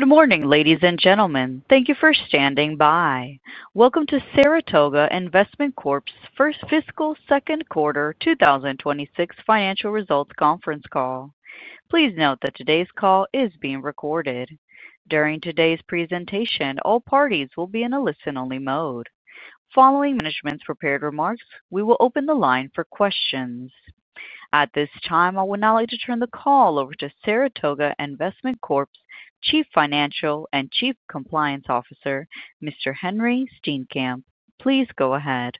Good morning, ladies and gentlemen. Thank you for standing by. Welcome to Saratoga Investment Corp's first fiscal second quarter 2026 financial results conference call. Please note that today's call is being recorded. During today's presentation, all parties will be in a listen-only mode. Following the management's prepared remarks, we will open the line for questions. At this time, I would now like to turn the call over to Saratoga Investment Corp's Chief Financial and Chief Compliance Officer, Mr. Henri Steenkamp. Please go ahead.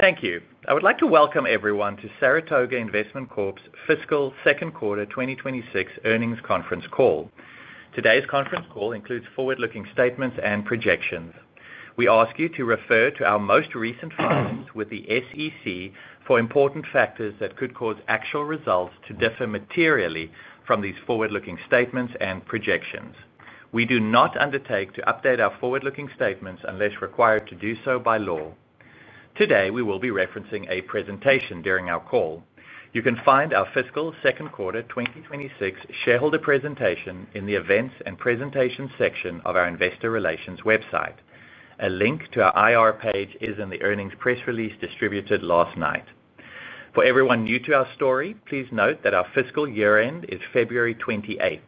Thank you. I would like to welcome everyone to Saratoga Investment Corp's fiscal second quarter 2026 earnings conference call. Today's conference call includes forward-looking statements and projections. We ask you to refer to our most recent meetings with the SEC for important factors that could cause actual results to differ materially from these forward-looking statements and projections. We do not undertake to update our forward-looking statements unless required to do so by law. Today, we will be referencing a presentation during our call. You can find our fiscal second quarter 2026 shareholder presentation in the Events and Presentations section of our Investor Relations website. A link to our IR page is in the earnings press release distributed last night. For everyone new to our story, please note that our fiscal year-end is February 28,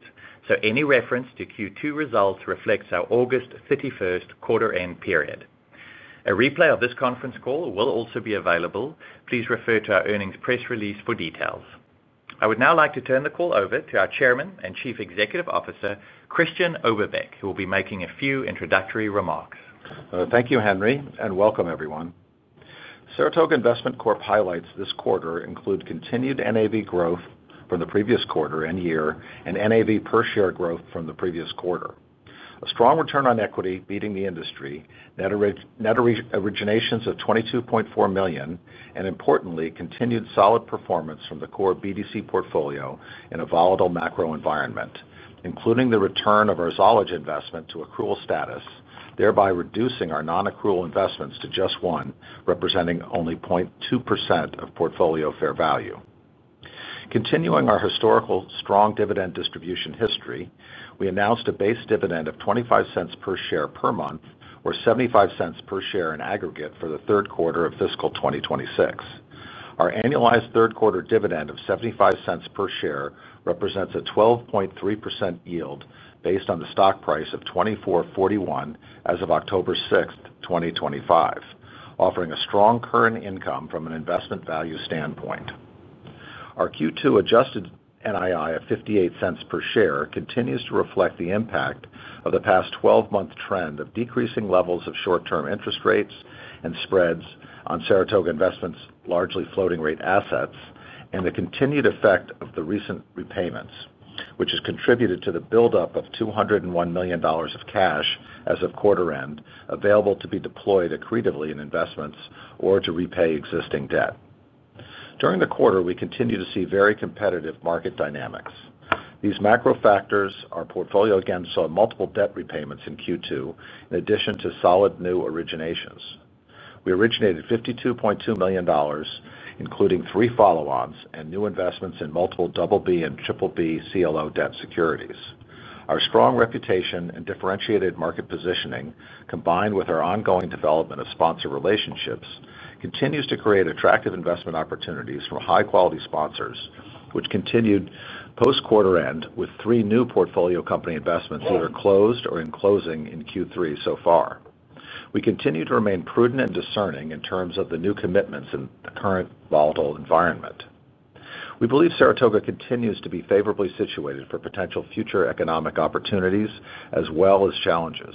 so any reference to Q2 results reflects our August 31st quarter-end period. A replay of this conference call will also be available. Please refer to our earnings press release for details. I would now like to turn the call over to our Chairman and Chief Executive Officer, Christian Oberbeck, who will be making a few introductory remarks. Thank you, Henri, and welcome, everyone. Saratoga Investment Corp highlights this quarter include continued NAV growth from the previous quarter and year and NAV per share growth from the previous quarter. A strong return on equity beating the industry, net originations of $22.4 million, and importantly, continued solid performance from the core BDC portfolio in a volatile macro environment, including the return of our ZOLLEG investment to accrual status, thereby reducing our non-accrual investments to just one, representing only 0.2% of portfolio fair value. Continuing our historical strong dividend distribution history, we announced a base dividend of $0.25 per share per month, or $0.75 per share in aggregate for the third quarter of fiscal 2026. Our annualized third quarter dividend of $0.75 per share represents a 12.3% yield based on the stock price of $24.41 as of October 6, 2025, offering a strong current income from an investment value standpoint. Our Q2 adjusted NII of $0.58 per share continues to reflect the impact of the past 12-month trend of decreasing levels of short-term interest rates and spreads on Saratoga Investment's largely floating-rate assets and the continued effect of the recent repayments, which has contributed to the buildup of $201 million of cash as of quarter end available to be deployed accretively in investments or to repay existing debt. During the quarter, we continue to see very competitive market dynamics. These macro factors, our portfolio again saw multiple debt repayments in Q2 in addition to solid new originations. We originated $52.2 million, including three follow-ons and new investments in multiple BB and BBB CLO debt securities. Our strong reputation and differentiated market positioning, combined with our ongoing development of sponsor relationships, continue to create attractive investment opportunities from high-quality sponsors, which continued post-quarter end with three new portfolio company investments either closed or in closing in Q3 so far. We continue to remain prudent and discerning in terms of the new commitments in the current volatile environment. We believe Saratoga continues to be favorably situated for potential future economic opportunities as well as challenges.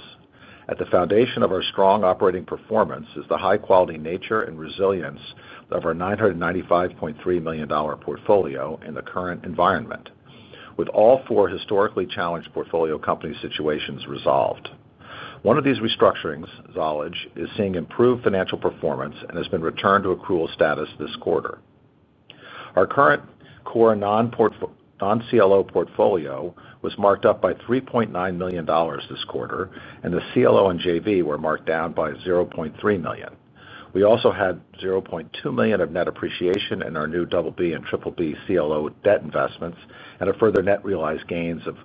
At the foundation of our strong operating performance is the high-quality nature and resilience of our $995.3 million portfolio in the current environment, with all four historically challenged portfolio company situations resolved. One of these restructurings, ZOLLEG, is seeing improved financial performance and has been returned to accrual status this quarter. Our current core non-CLO portfolio was marked up by $3.9 million this quarter, and the CLO and JV were marked down by $0.3 million. We also had $0.2 million of net appreciation in our new BB and BBB CLO debt investments and a further net realized gains of $0.1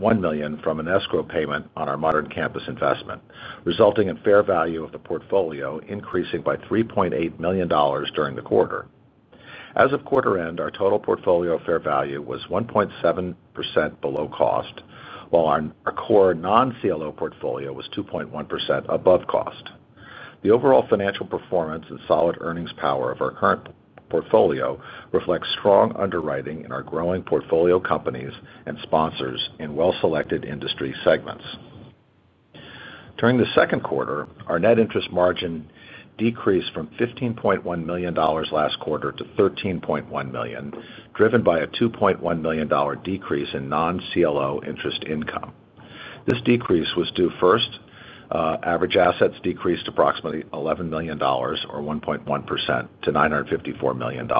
million from an escrow payment on our modern campus investment, resulting in fair value of the portfolio increasing by $3.8 million during the quarter. As of quarter end, our total portfolio fair value was 1.7% below cost, while our core non-CLO portfolio was 2.1% above cost. The overall financial performance and solid earnings power of our current portfolio reflect strong underwriting in our growing portfolio companies and sponsors in well-selected industry segments. During the second quarter, our net interest margin decreased from $15.1 million last quarter to $13.1 million, driven by a $2.1 million decrease in non-CLO interest income. This decrease was due first, average assets decreased approximately $11 million, or 1.1%, to $954 million.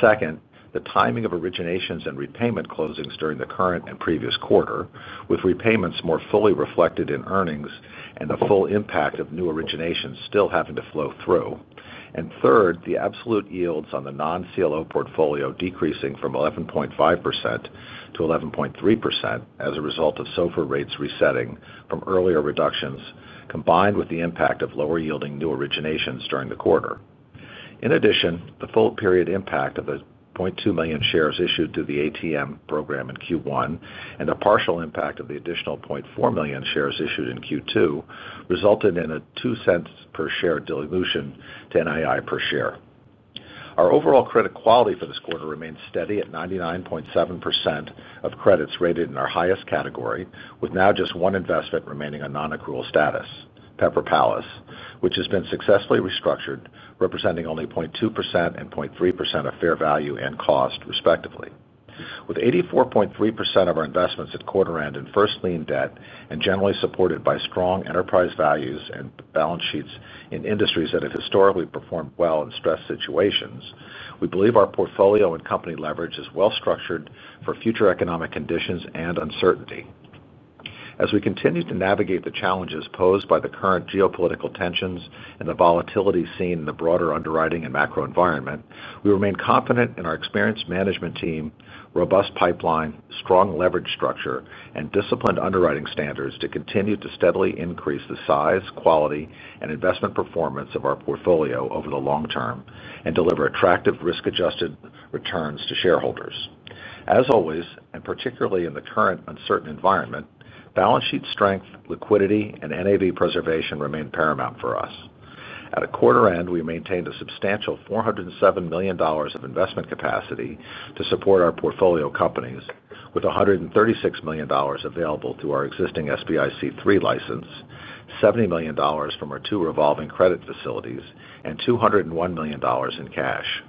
Second, the timing of originations and repayment closings during the current and previous quarter, with repayments more fully reflected in earnings and the full impact of new originations still having to flow through. Third, the absolute yields on the non-CLO portfolio decreasing from 11.5% to 11.3% as a result of SOFR rates resetting from earlier reductions, combined with the impact of lower yielding new originations during the quarter. In addition, the full period impact of the 0.2 million shares issued to the ATM program in Q1 and a partial impact of the additional 0.4 million shares issued in Q2 resulted in a $0.02 per share dilution to NII per share. Our overall credit quality for this quarter remains steady at 99.7% of credits rated in our highest category, with now just one investment remaining on non-accrual status, Pepper Palace, which has been successfully restructured, representing only 0.2% and 0.3% of fair value and cost, respectively. With 84.3% of our investments at quarter end in first lien debt and generally supported by strong enterprise values and balance sheets in industries that have historically performed well in stress situations, we believe our portfolio and company leverage is well structured for future economic conditions and uncertainty. As we continue to navigate the challenges posed by the current geopolitical tensions and the volatility seen in the broader underwriting and macro environment, we remain confident in our experienced management team, robust pipeline, strong leverage structure, and disciplined underwriting standards to continue to steadily increase the size, quality, and investment performance of our portfolio over the long term and deliver attractive risk-adjusted returns to shareholders. As always, and particularly in the current uncertain environment, balance sheet strength, liquidity, and NAV preservation remain paramount for us. At quarter end, we maintained a substantial $407 million of investment capacity to support our portfolio companies, with $136 million available through our existing SBIC license, $70 million from our two revolving credit facilities, and $201 million in cash.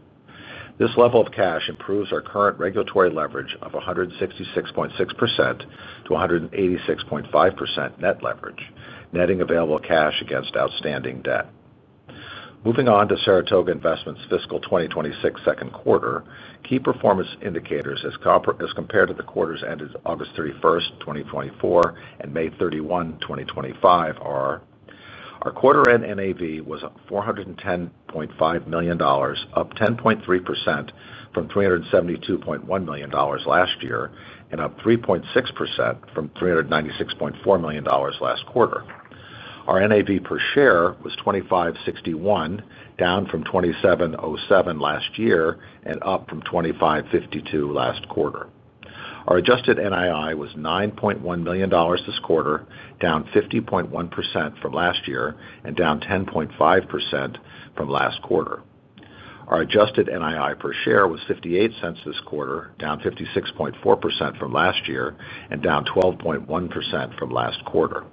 This level of cash improves our current regulatory leverage of 166.6% to 186.5% net leverage, netting available cash against outstanding debt. Moving on to Saratoga Investment's fiscal 2026 second quarter, key performance indicators as compared to the quarters ended August 31, 2024, and May 31, 2025, are: our quarter-end NAV was $410.5 million, up 10.3% from $372.1 million last year, and up 3.6% from $396.4 million last quarter. Our NAV per share was $2,561, down from $2,707 last year and up from $2,552 last quarter. Our adjusted NII was $9.1 million this quarter, down 50.1% from last year and down 10.5% from last quarter. Our adjusted NII per share was $0.58 this quarter, down 56.4% from last year and down 12.1% from last quarter.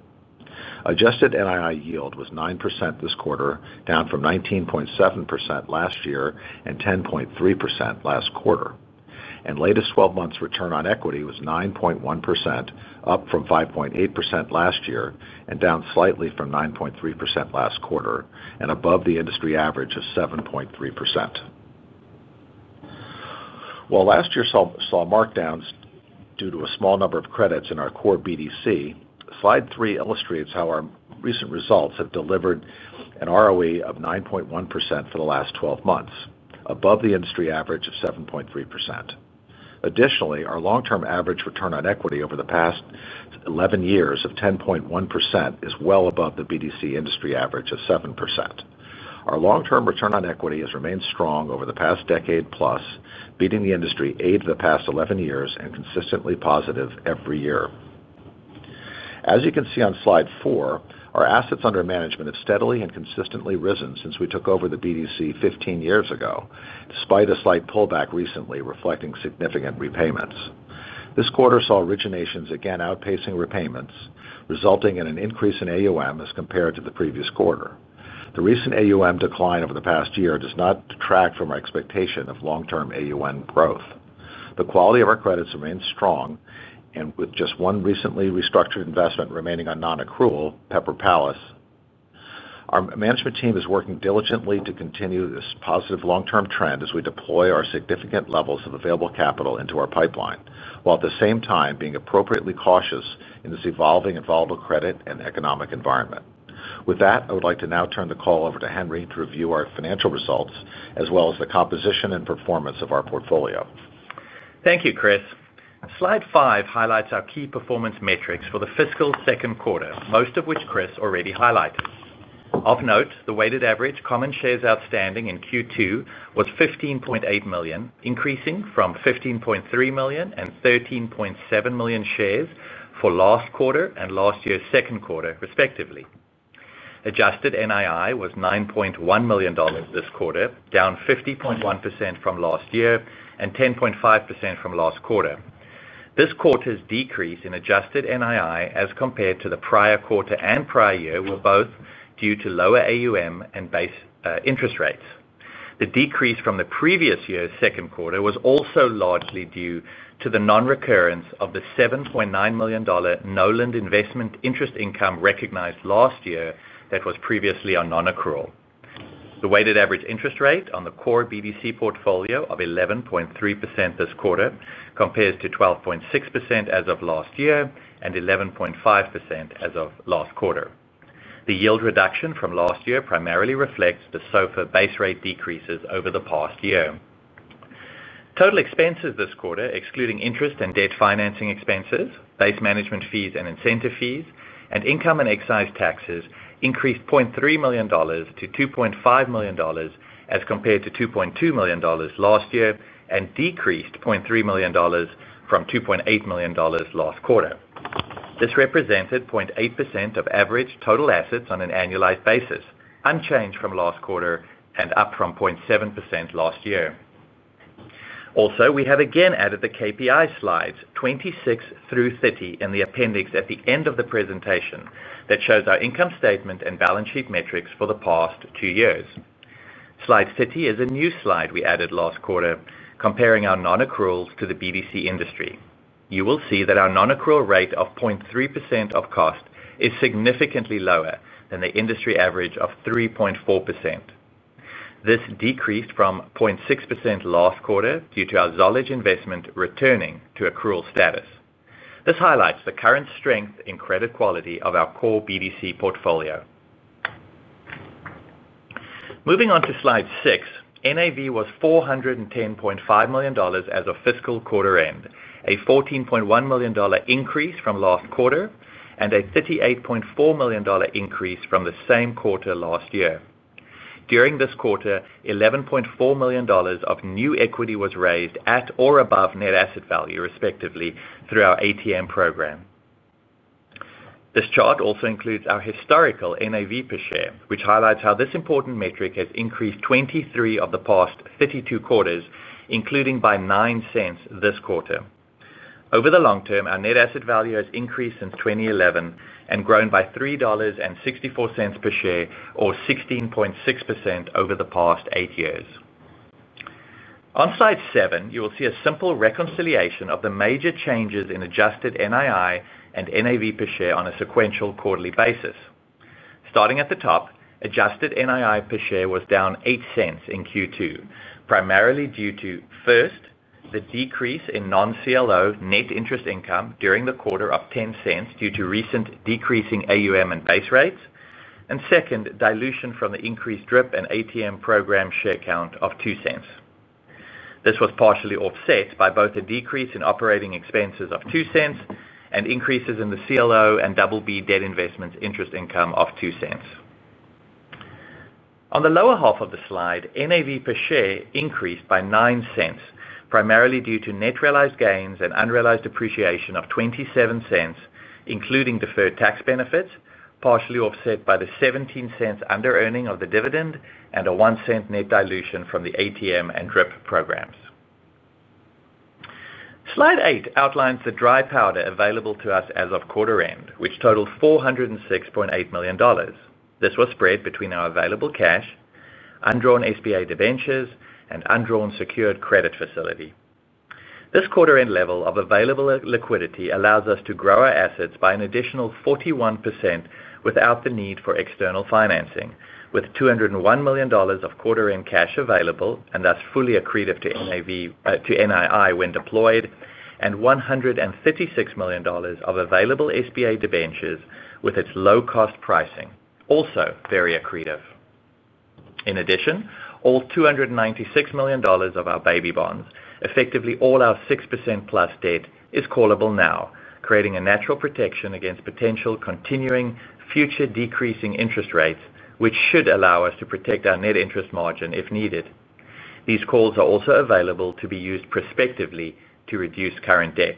Adjusted NII yield was 9% this quarter, down from 19.7% last year and 10.3% last quarter. Latest 12 months return on equity was 9.1%, up from 5.8% last year and down slightly from 9.3% last quarter and above the industry average of 7.3%. While last year saw markdowns due to a small number of credits in our core BDC, slide three illustrates how our recent results have delivered an ROE of 9.1% for the last 12 months, above the industry average of 7.3%. Additionally, our long-term average return on equity over the past 11 years of 10.1% is well above the BDC industry average of 7%. Our long-term return on equity has remained strong over the past decade plus, beating the industry eight of the past 11 years and consistently positive every year. As you can see on slide four, our assets under management have steadily and consistently risen since we took over the BDC 15 years ago, despite a slight pullback recently reflecting significant repayments. This quarter saw originations again outpacing repayments, resulting in an increase in AUM as compared to the previous quarter. The recent AUM decline over the past year does not detract from our expectation of long-term AUM growth. The quality of our credits remains strong, and with just one recently restructured investment remaining on non-accrual, Pepper Palace, our management team is working diligently to continue this positive long-term trend as we deploy our significant levels of available capital into our pipeline, while at the same time being appropriately cautious in this evolving and volatile credit and economic environment. With that, I would like to now turn the call over to Henri to review our financial results as well as the composition and performance of our portfolio. Thank you, Chris. Slide five highlights our key performance metrics for the fiscal second quarter, most of which Chris already highlighted. Of note, the weighted average common shares outstanding in Q2 was 15.8 million, increasing from 15.3 million and 13.7 million shares for last quarter and last year's second quarter, respectively. Adjusted NII was $9.1 million this quarter, down 50.1% from last year and 10.5% from last quarter. This quarter's decrease in adjusted NII as compared to the prior quarter and prior year were both due to lower AUM and base interest rates. The decrease from the previous year's second quarter was also largely due to the non-recurrence of the $7.9 million Noland investment interest income recognized last year that was previously on non-accrual. The weighted average interest rate on the core BDC portfolio of 11.3% this quarter compares to 12.6% as of last year and 11.5% as of last quarter. The yield reduction from last year primarily reflects the SOFR base rate decreases over the past year. Total expenses this quarter, excluding interest and debt financing expenses, base management fees and incentive fees, and income and excise taxes, increased $0.3 million to $2.5 million as compared to $2.2 million last year and decreased $0.3 million from $2.8 million last quarter. This represented 0.8% of average total assets on an annualized basis, unchanged from last quarter and up from 0.7% last year. Also, we have again added the KPI slides 26 through 30 in the appendix at the end of the presentation that shows our income statement and balance sheet metrics for the past two years. Slide 30 is a new slide we added last quarter, comparing our non-accruals to the BDC industry. You will see that our non-accrual rate of 0.3% of cost is significantly lower than the industry average of 3.4%. This decreased from 0.6% last quarter due to our ZOLLEG investment returning to accrual status. This highlights the current strength in credit quality of our core BDC portfolio. Moving on to slide six, NAV was $410.5 million as of fiscal quarter end, a $14.1 million increase from last quarter and a $38.4 million increase from the same quarter last year. During this quarter, $11.4 million of new equity was raised at or above net asset value, respectively, through our ATM program. This chart also includes our historical NAV per share, which highlights how this important metric has increased 23 of the past 32 quarters, including by $0.09 this quarter. Over the long term, our net asset value has increased since 2011 and grown by $3.64 per share, or 16.6% over the past eight years. On slide seven, you will see a simple reconciliation of the major changes in adjusted NII and NAV per share on a sequential quarterly basis. Starting at the top, adjusted NII per share was down $0.08 in Q2, primarily due to, first, the decrease in non-CLO net interest income during the quarter of $0.10 due to recent decreasing AUM and base rates, and second, dilution from the increased DRIP and ATM program share count of $0.02. This was partially offset by both a decrease in operating expenses of $0.02 and increases in the CLO and BB debt investments interest income of $0.02. On the lower half of the slide, NAV per share increased by $0.09, primarily due to net realized gains and unrealized appreciation of $0.27, including deferred tax benefits, partially offset by the $0.17 under-earning of the dividend and a $0.01 net dilution from the ATM and DRIP programs. Slide eight outlines the dry powder available to us as of quarter end, which totaled $406.8 million. This was spread between our available cash, undrawn SBA debentures, and undrawn secured credit facility. This quarter-end level of available liquidity allows us to grow our assets by an additional 41% without the need for external financing, with $201 million of quarter-end cash available and thus fully accretive to NII when deployed, and $136 million of available SBA debentures with its low-cost pricing, also very accretive. In addition, all $296 million of our baby bonds, effectively all our 6% plus debt, is callable now, creating a natural protection against potential continuing future decreasing interest rates, which should allow us to protect our net interest margin if needed. These calls are also available to be used prospectively to reduce current debt.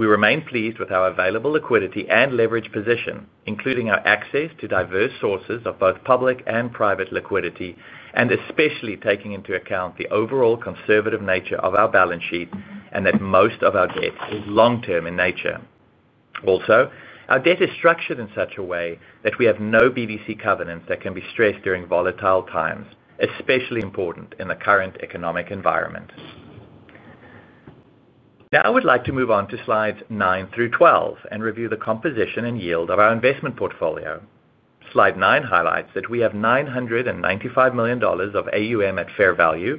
We remain pleased with our available liquidity and leverage position, including our access to diverse sources of both public and private liquidity, and especially taking into account the overall conservative nature of our balance sheet and that most of our debt is long-term in nature. Also, our debt is structured in such a way that we have no BDC covenants that can be stressed during volatile times, especially important in the current economic environment. Now I would like to move on to slides nine through 12 and review the composition and yield of our investment portfolio. Slide nine highlights that we have $995 million of AUM at fair value,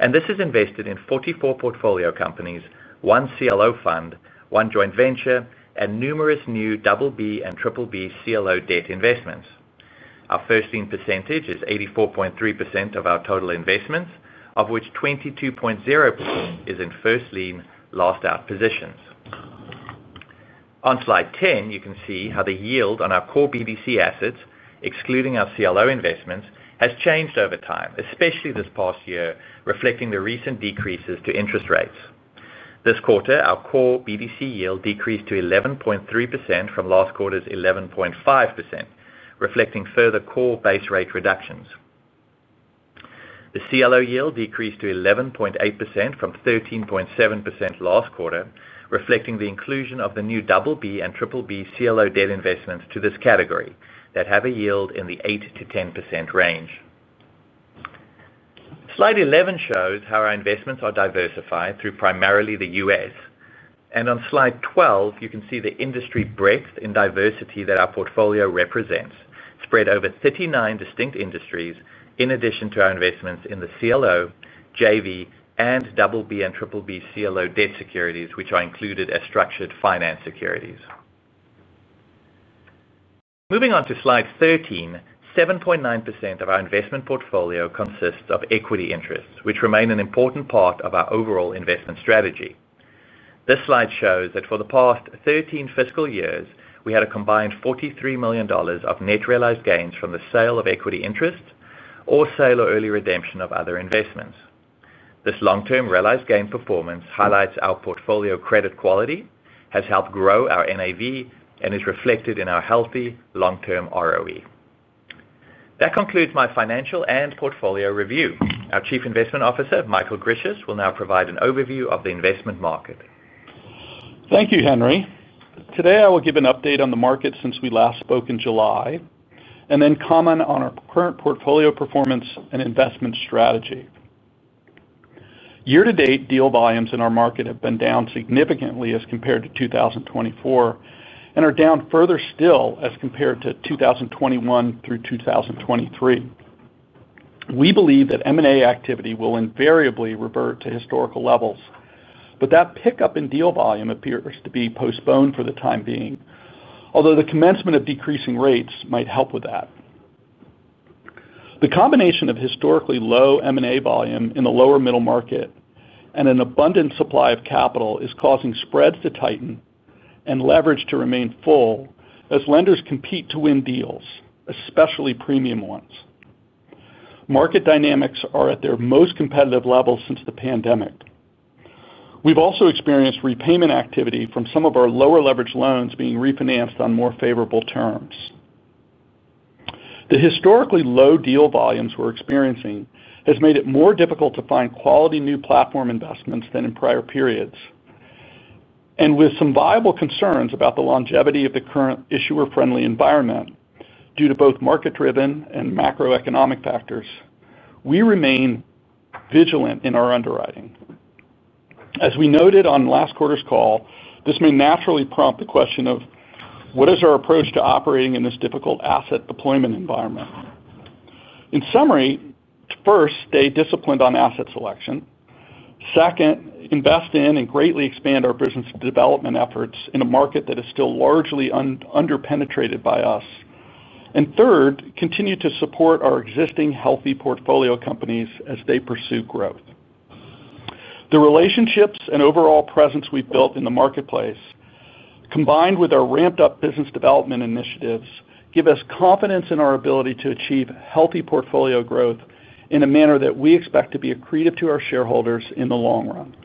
and this is invested in 44 portfolio companies, one CLO fund, one joint venture, and numerous new BB and BBB CLO debt investments. Our first lien percentage is 84.3% of our total investments, of which 22.0% is in first lien last-out positions. On slide 10, you can see how the yield on our core BDC assets, excluding our CLO investments, has changed over time, especially this past year, reflecting the recent decreases to interest rates. This quarter, our core BDC yield decreased to 11.3% from last quarter's 11.5%, reflecting further core base rate reductions. The CLO yield decreased to 11.8% from 13.7% last quarter, reflecting the inclusion of the new BB and BBB CLO debt investments to this category that have a yield in the 8%-10% range. Slide 11 shows how our investments are diversified through primarily the U.S., and on slide 12, you can see the industry breadth and diversity that our portfolio represents, spread over 39 distinct industries, in addition to our investments in the CLO, JV, and BB and BBB CLO debt securities, which are included as structured finance securities. Moving on to slide 13, 7.9% of our investment portfolio consists of equity interest, which remain an important part of our overall investment strategy. This slide shows that for the past 13 fiscal years, we had a combined $43 million of net realized gains from the sale of equity interest or sale or early redemption of other investments. This long-term realized gain performance highlights our portfolio credit quality, has helped grow our NAV, and is reflected in our healthy long-term ROE. That concludes my financial and portfolio review. Our Chief Investment Officer, Michael Grisius, will now provide an overview of the investment market. Thank you, Henri. Today, I will give an update on the market since we last spoke in July and then comment on our current portfolio performance and investment strategy. Year-to-date deal volumes in our market have been down significantly as compared to 2024 and are down further still as compared to 2021 through 2023. We believe that M&A activity will invariably revert to historical levels, but that pickup in deal volume appears to be postponed for the time being, although the commencement of decreasing rates might help with that. The combination of historically low M&A volume in the lower middle market and an abundant supply of capital is causing spreads to tighten and leverage to remain full as lenders compete to win deals, especially premium ones. Market dynamics are at their most competitive level since the pandemic. We've also experienced repayment activity from some of our lower leverage loans being refinanced on more favorable terms. The historically low deal volumes we're experiencing have made it more difficult to find quality new platform investments than in prior periods. With some viable concerns about the longevity of the current issuer-friendly environment due to both market-driven and macroeconomic factors, we remain vigilant in our underwriting. As we noted on last quarter's call, this may naturally prompt the question of what is our approach to operating in this difficult asset deployment environment. In summary, first, stay disciplined on asset selection. Second, invest in and greatly expand our business development efforts in a market that is still largely underpenetrated by us. Third, continue to support our existing healthy portfolio companies as they pursue growth. The relationships and overall presence we've built in the marketplace, combined with our ramped-up business development initiatives, give us confidence in our ability to achieve healthy portfolio growth in a manner that we expect to be accretive to our shareholders in the long run.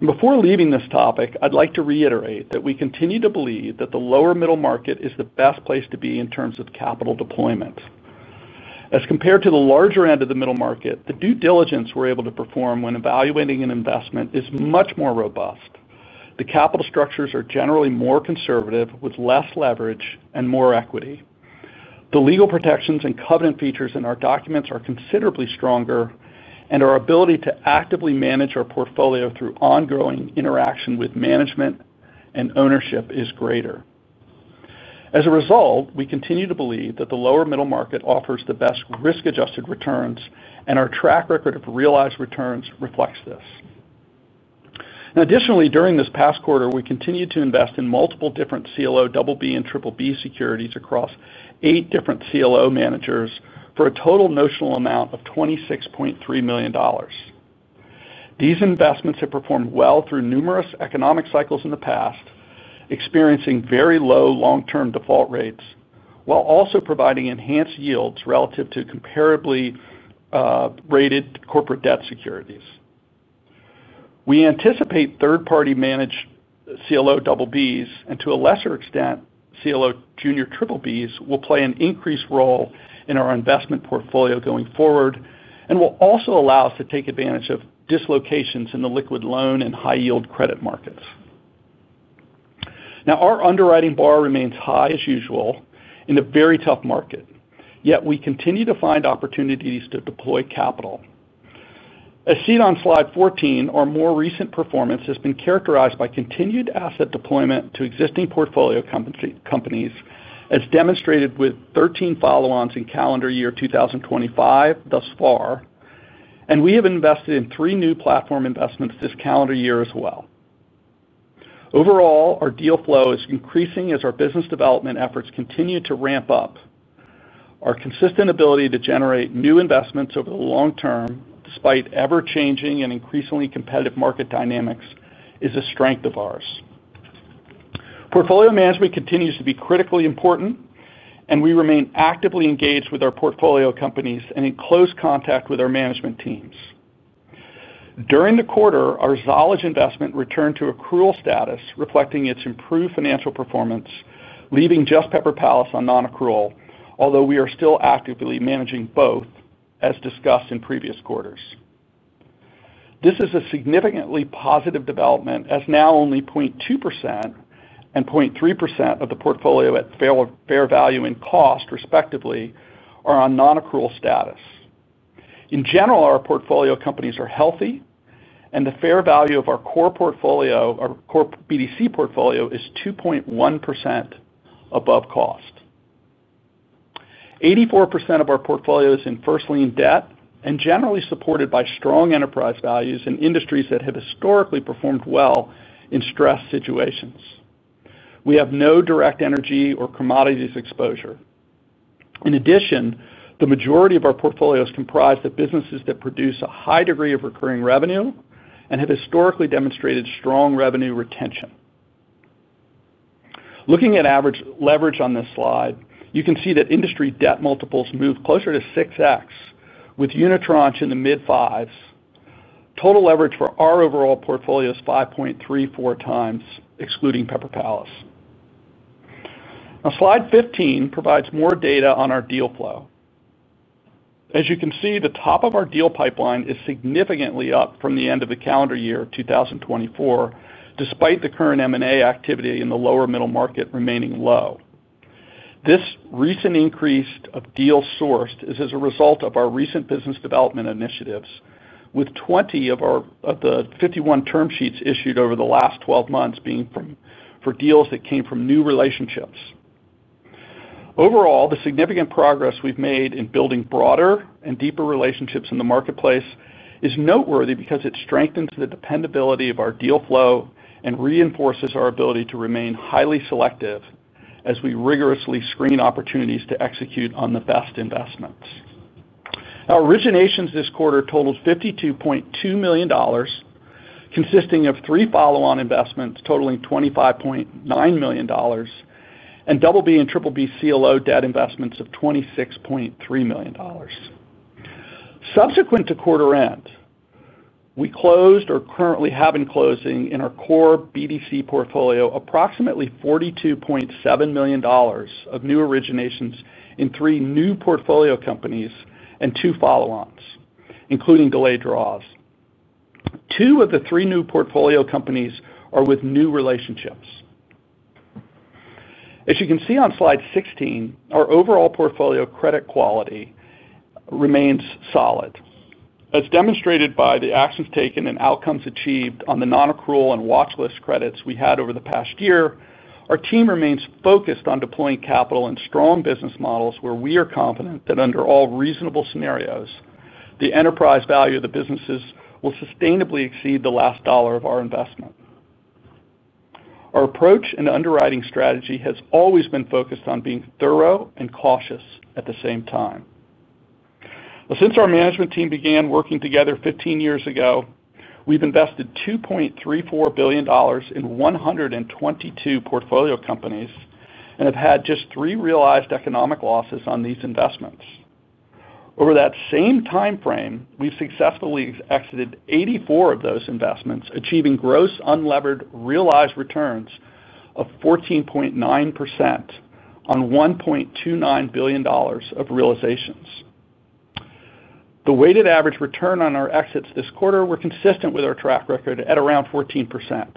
Before leaving this topic, I'd like to reiterate that we continue to believe that the lower middle market is the best place to be in terms of capital deployment. As compared to the larger end of the middle market, the due diligence we're able to perform when evaluating an investment is much more robust. The capital structures are generally more conservative with less leverage and more equity. The legal protections and covenant features in our documents are considerably stronger, and our ability to actively manage our portfolio through ongoing interaction with management and ownership is greater. As a result, we continue to believe that the lower middle market offers the best risk-adjusted returns, and our track record of realized returns reflects this. Additionally, during this past quarter, we continued to invest in multiple different CLO, BB, and BBB securities across eight different CLO managers for a total notional amount of $26.3 million. These investments have performed well through numerous economic cycles in the past, experiencing very low long-term default rates while also providing enhanced yields relative to comparably rated corporate debt securities. We anticipate third-party managed CLO BBs, and to a lesser extent, CLO junior BBBs, will play an increased role in our investment portfolio going forward and will also allow us to take advantage of dislocations in the liquid loan and high-yield credit markets. Our underwriting bar remains high as usual in a very tough market, yet we continue to find opportunities to deploy capital. As seen on slide 14, our more recent performance has been characterized by continued asset deployment to existing portfolio companies, as demonstrated with 13 follow-ons in calendar year 2025 thus far, and we have invested in three new platform investments this calendar year as well. Overall, our deal flow is increasing as our business development efforts continue to ramp up. Our consistent ability to generate new investments over the long term, despite ever-changing and increasingly competitive market dynamics, is a strength of ours. Portfolio management continues to be critically important, and we remain actively engaged with our portfolio companies and in close contact with our management teams. During the quarter, our ZOLLEG investment returned to accrual status, reflecting its improved financial performance, leaving just Pepper Palace on non-accrual, although we are still actively managing both as discussed in previous quarters. This is a significantly positive development, as now only 0.2% and 0.3% of the portfolio at fair value and cost, respectively, are on non-accrual status. In general, our portfolio companies are healthy, and the fair value of our core portfolio, our core BDC portfolio, is 2.1% above cost. 84% of our portfolio is in first lien debt and generally supported by strong enterprise values in industries that have historically performed well in stress situations. We have no direct energy or commodities exposure. In addition, the majority of our portfolio is comprised of businesses that produce a high degree of recurring revenue and have historically demonstrated strong revenue retention. Looking at average leverage on this slide, you can see that industry debt multiples move closer to 6X, with Unitranche in the mid-fives. Total leverage for our overall portfolio is 5.34 times, excluding Pepper Palace. Now, slide 15 provides more data on our deal flow. As you can see, the top of our deal pipeline is significantly up from the end of the calendar year 2024, despite the current M&A activity in the lower middle market remaining low. This recent increase of deals sourced is as a result of our recent business development initiatives, with 20 of the 51 term sheets issued over the last 12 months being from deals that came from new relationships. Overall, the significant progress we've made in building broader and deeper relationships in the marketplace is noteworthy because it strengthens the dependability of our deal flow and reinforces our ability to remain highly selective as we rigorously screen opportunities to execute on the best investments. Our originations this quarter totaled $52.2 million, consisting of three follow-on investments totaling $25.9 million, and BB and BBB CLO debt investments of $26.3 million. Subsequent to quarter end, we closed or currently have been closing in our core BDC portfolio approximately $42.7 million of new originations in three new portfolio companies and two follow-ons, including delayed draws. Two of the three new portfolio companies are with new relationships. As you can see on slide 16, our overall portfolio credit quality remains solid. As demonstrated by the actions taken and outcomes achieved on the non-accrual and watchlist credits we had over the past year, our team remains focused on deploying capital in strong business models where we are confident that under all reasonable scenarios, the enterprise value of the businesses will sustainably exceed the last dollar of our investment. Our approach and underwriting strategy has always been focused on being thorough and cautious at the same time. Since our management team began working together 15 years ago, we've invested $2.34 billion in 122 portfolio companies and have had just three realized economic losses on these investments. Over that same timeframe, we've successfully exited 84 of those investments, achieving gross unlevered realized returns of 14.9% on $1.29 billion of realizations. The weighted average return on our exits this quarter was consistent with our track record at around 14%.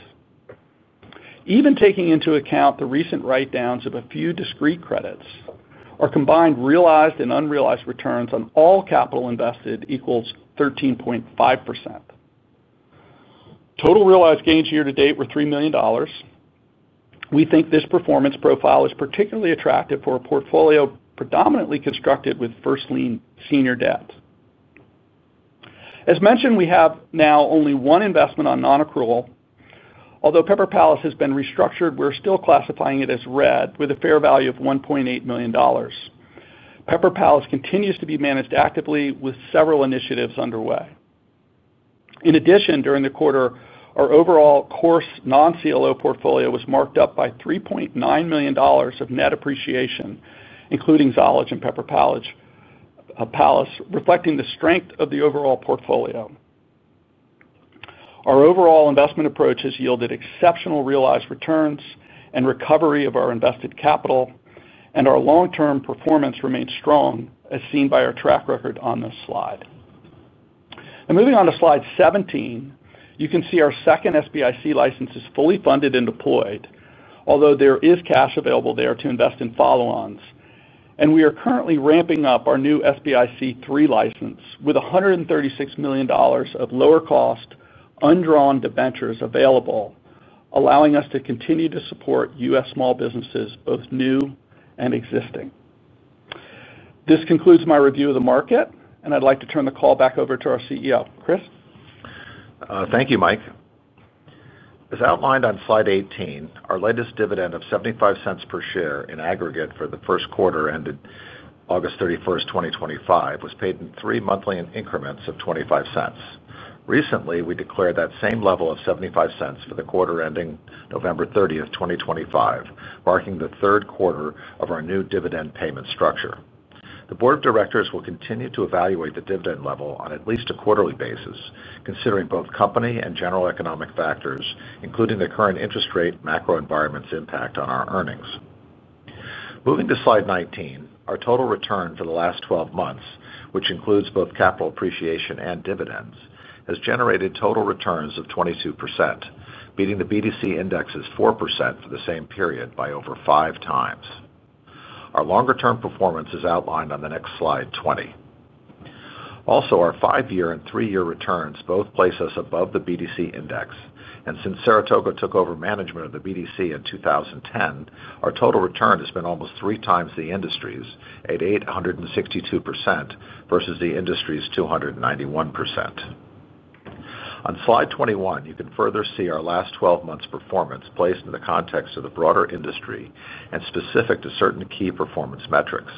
Even taking into account the recent write-downs of a few discrete credits, our combined realized and unrealized returns on all capital invested equals 13.5%. Total realized gains year to date were $3 million. We think this performance profile is particularly attractive for a portfolio predominantly constructed with first lien senior debt. As mentioned, we have now only one investment on non-accrual. Although Pepper Palace has been restructured, we're still classifying it as red with a fair value of $1.8 million. Pepper Palace continues to be managed actively with several initiatives underway. In addition, during the quarter, our overall core non-CLO portfolio was marked up by $3.9 million of net appreciation, including ZOLLEG and Pepper Palace, reflecting the strength of the overall portfolio. Our overall investment approach has yielded exceptional realized returns and recovery of our invested capital, and our long-term performance remains strong, as seen by our track record on this slide. Moving on to slide 17, you can see our second SBIC license is fully funded and deployed, although there is cash available there to invest in follow-ons, and we are currently ramping up our new SBIC license with $136 million of lower-cost undrawn debentures available, allowing us to continue to support U.S. small businesses, both new and existing. This concludes my review of the market, and I'd like to turn the call back over to our CEO, Chris. Thank you, Mike. As outlined on slide 18, our latest dividend of $0.75 per share in aggregate for the first quarter ended August 31, 2025, was paid in three monthly increments of $0.25. Recently, we declared that same level of $0.75 for the quarter ending November 30, 2025, marking the third quarter of our new dividend payment structure. The Board of Directors will continue to evaluate the dividend level on at least a quarterly basis, considering both company and general economic factors, including the current interest rate macro environment's impact on our earnings. Moving to slide 19, our total return for the last 12 months, which includes both capital appreciation and dividends, has generated total returns of 22%, beating the BDC index's 4% for the same period by over five times. Our longer-term performance is outlined on the next slide, 20. Also, our five-year and three-year returns both place us above the BDC index, and since Saratoga took over management of the BDC in 2010, our total return has been almost three times the industry's at 862% versus the industry's 291%. On slide 21, you can further see our last 12 months' performance placed in the context of the broader industry and specific to certain key performance metrics.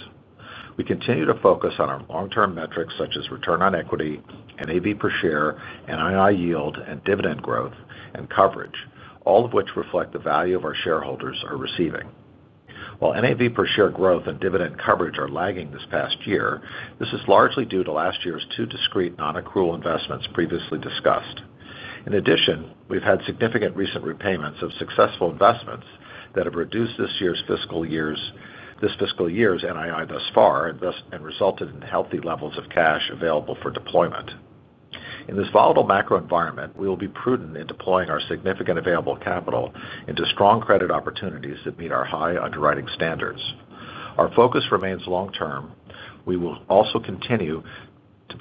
We continue to focus on our long-term metrics such as return on equity, NAV per share, NII yield, and dividend growth and coverage, all of which reflect the value our shareholders are receiving. While NAV per share growth and dividend coverage are lagging this past year, this is largely due to last year's two discrete non-accrual investments previously discussed. In addition, we've had significant recent repayments of successful investments that have reduced this fiscal year's NII thus far and resulted in healthy levels of cash available for deployment. In this volatile macro environment, we will be prudent in deploying our significant available capital into strong credit opportunities that meet our high underwriting standards. Our focus remains long term. We will also continue to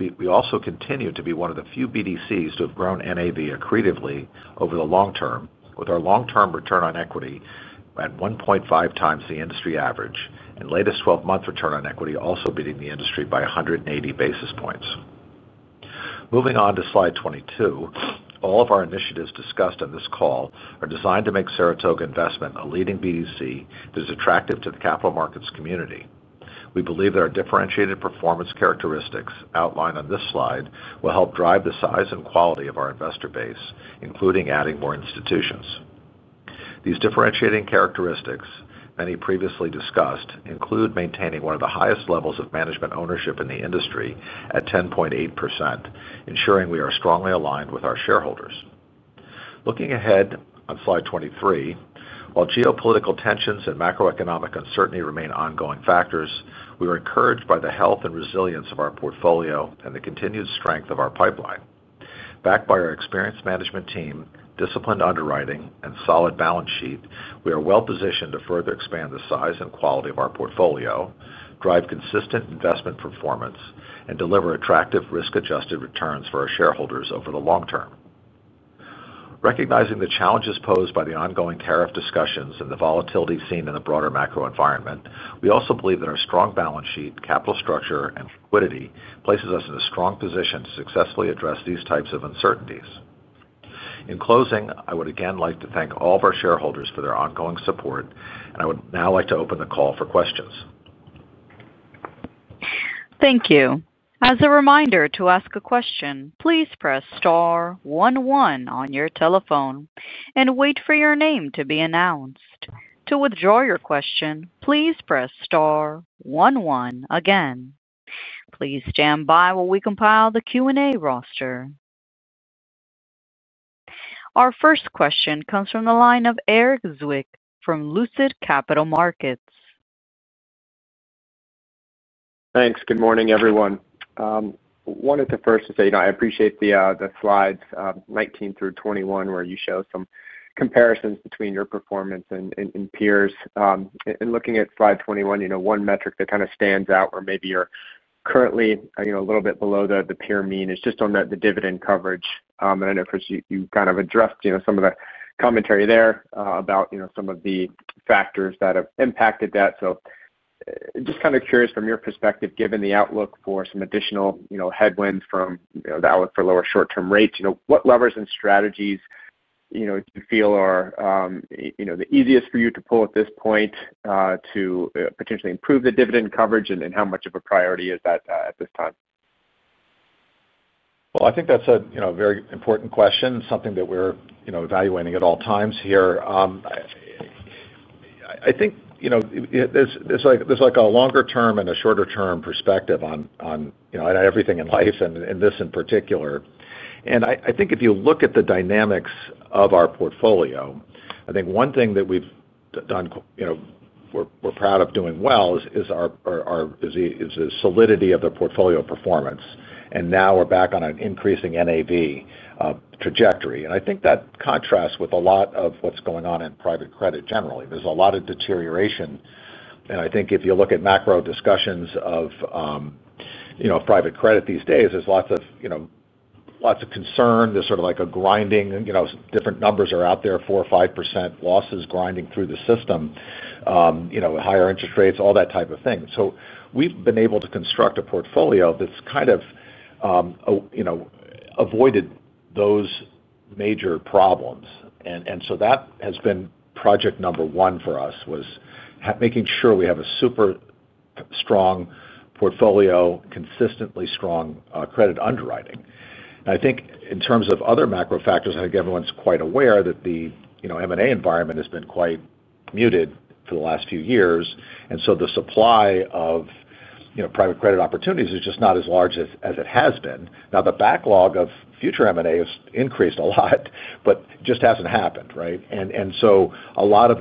be one of the few BDCs to have grown NAV accretively over the long term, with our long-term return on equity at 1.5 times the industry average and latest 12-month return on equity also beating the industry by 180 basis points. Moving on to slide 22, all of our initiatives discussed in this call are designed to make Saratoga Investment a leading BDC that is attractive to the capital markets community. We believe that our differentiated performance characteristics outlined on this slide will help drive the size and quality of our investor base, including adding more institutions. These differentiating characteristics, many previously discussed, include maintaining one of the highest levels of management ownership in the industry at 10.8%, ensuring we are strongly aligned with our shareholders. Looking ahead on slide 23, while geopolitical tensions and macroeconomic uncertainty remain ongoing factors, we are encouraged by the health and resilience of our portfolio and the continued strength of our pipeline. Backed by our experienced management team, disciplined underwriting, and solid balance sheet, we are well positioned to further expand the size and quality of our portfolio, drive consistent investment performance, and deliver attractive risk-adjusted returns for our shareholders over the long term. Recognizing the challenges posed by the ongoing tariff discussions and the volatility seen in the broader macro environment, we also believe that our strong balance sheet, capital structure, and liquidity places us in a strong position to successfully address these types of uncertainties. In closing, I would again like to thank all of our shareholders for their ongoing support, and I would now like to open the call for questions. Thank you. As a reminder, to ask a question, please press star one one on your telephone and wait for your name to be announced. To withdraw your question, please press star one one again. Please stand by while we compile the Q&A roster. Our first question comes from the line of Erik Zwick from Lucid Capital Markets. Thanks. Good morning, everyone. I wanted to first say I appreciate the slides 19 through 21 where you showed some comparisons between your performance and peers. In looking at slide 21, one metric that kind of stands out where maybe you're currently a little bit below the peer mean is just on the dividend coverage. I know, Chris, you kind of addressed some of the commentary there about some of the factors that have impacted that. Just kind of curious from your perspective, given the outlook for some additional headwinds from the outlook for lower short-term rates, what levers and strategies do you feel are the easiest for you to pull at this point to potentially improve the dividend coverage and how much of a priority is that at this time? I think that's a very important question, something that we're evaluating at all times here. I think there's a longer-term and a shorter-term perspective on everything in life and in this in particular. If you look at the dynamics of our portfolio, one thing that we've done, we're proud of doing well, is the solidity of the portfolio performance. Now we're back on an increasing NAV trajectory. I think that contrasts with a lot of what's going on in private credit generally. There's a lot of deterioration. If you look at macro discussions of private credit these days, there's lots of concern. There's sort of a grinding, different numbers are out there, 4% or 5% losses grinding through the system, higher interest rates, all that type of thing. We've been able to construct a portfolio that's kind of avoided those major problems. That has been project number one for us, making sure we have a super strong portfolio, consistently strong credit underwriting. In terms of other macro factors, I think everyone's quite aware that the M&A environment has been quite muted for the last few years. The supply of private credit opportunities is just not as large as it has been. The backlog of future M&A has increased a lot, but just hasn't happened, right? A lot of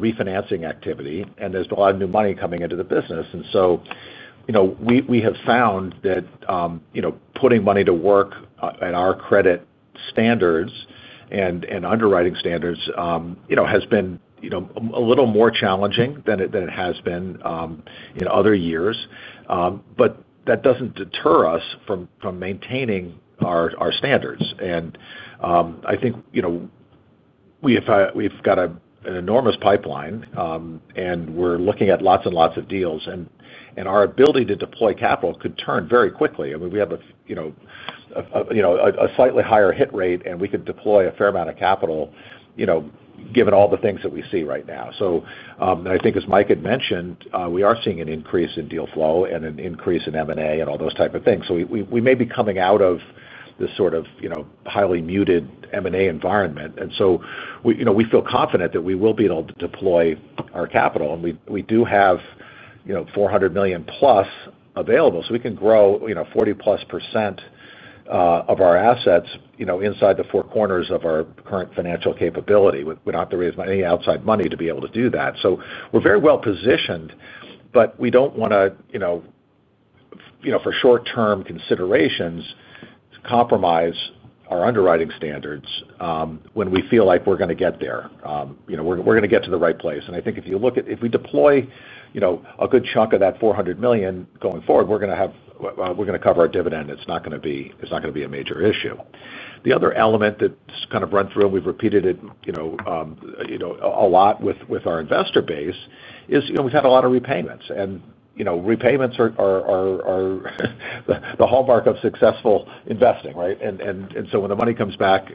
refinancing activity and a lot of new money coming into the business. We have found that putting money to work at our credit standards and underwriting standards has been a little more challenging than it has been in other years. That doesn't deter us from maintaining our standards. We've got an enormous pipeline and we're looking at lots and lots of deals. Our ability to deploy capital could turn very quickly. We have a slightly higher hit rate and we could deploy a fair amount of capital, given all the things that we see right now. As Mike had mentioned, we are seeing an increase in deal flow and an increase in M&A and all those types of things. We may be coming out of this sort of highly muted M&A environment. We feel confident that we will be able to deploy our capital. We do have $400+ million available, so we can grow 40%+ of our assets inside the four corners of our current financial capability. We do not have to raise any outside money to be able to do that. We are very well positioned, but we do not want to, for short-term considerations, compromise our underwriting standards when we feel like we are going to get there. We are going to get to the right place. I think if you look at, if we deploy a good chunk of that $400 million going forward, we are going to cover our dividend. It is not going to be a major issue. The other element that has kind of run through, and we have repeated it a lot with our investor base, is we have had a lot of repayments. Repayments are the hallmark of successful investing, right? When the money comes back,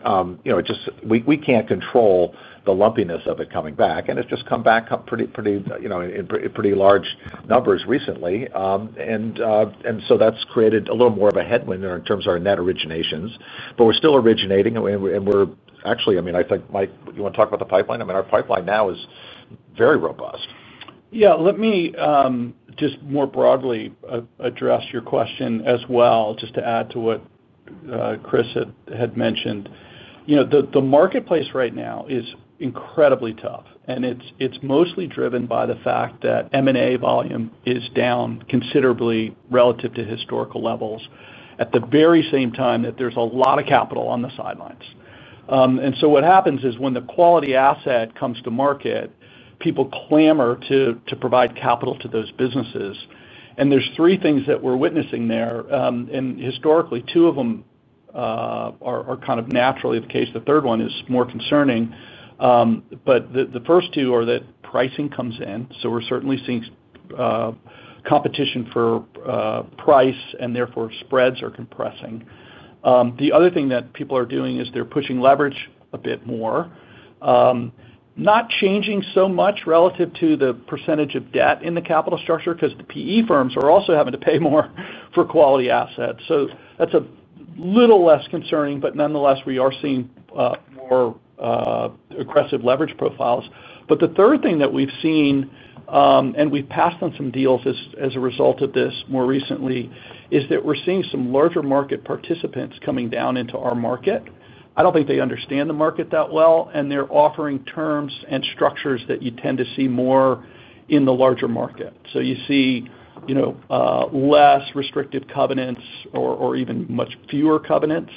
we cannot control the lumpiness of it coming back. It has just come back in pretty large numbers recently. That has created a little more of a headwind in terms of our net originations. We are still originating. I think Mike, you want to talk about the pipeline? Our pipeline now is very robust. Yeah, let me just more broadly address your question as well, just to add to what Chris had mentioned. You know, the marketplace right now is incredibly tough. It's mostly driven by the fact that M&A volume is down considerably relative to historical levels at the very same time that there's a lot of capital on the sidelines. What happens is when the quality asset comes to market, people clamor to provide capital to those businesses. There are three things that we're witnessing there. Historically, two of them are kind of naturally the case. The third one is more concerning. The first two are that pricing comes in. We're certainly seeing competition for price and therefore spreads are compressing. The other thing that people are doing is they're pushing leverage a bit more, not changing so much relative to the percentage of debt in the capital structure because the PE firms are also having to pay more for quality assets. That's a little less concerning, but nonetheless, we are seeing more aggressive leverage profiles. The third thing that we've seen, and we've passed on some deals as a result of this more recently, is that we're seeing some larger market participants coming down into our market. I don't think they understand the market that well, and they're offering terms and structures that you tend to see more in the larger market. You see less restrictive covenants or even much fewer covenants.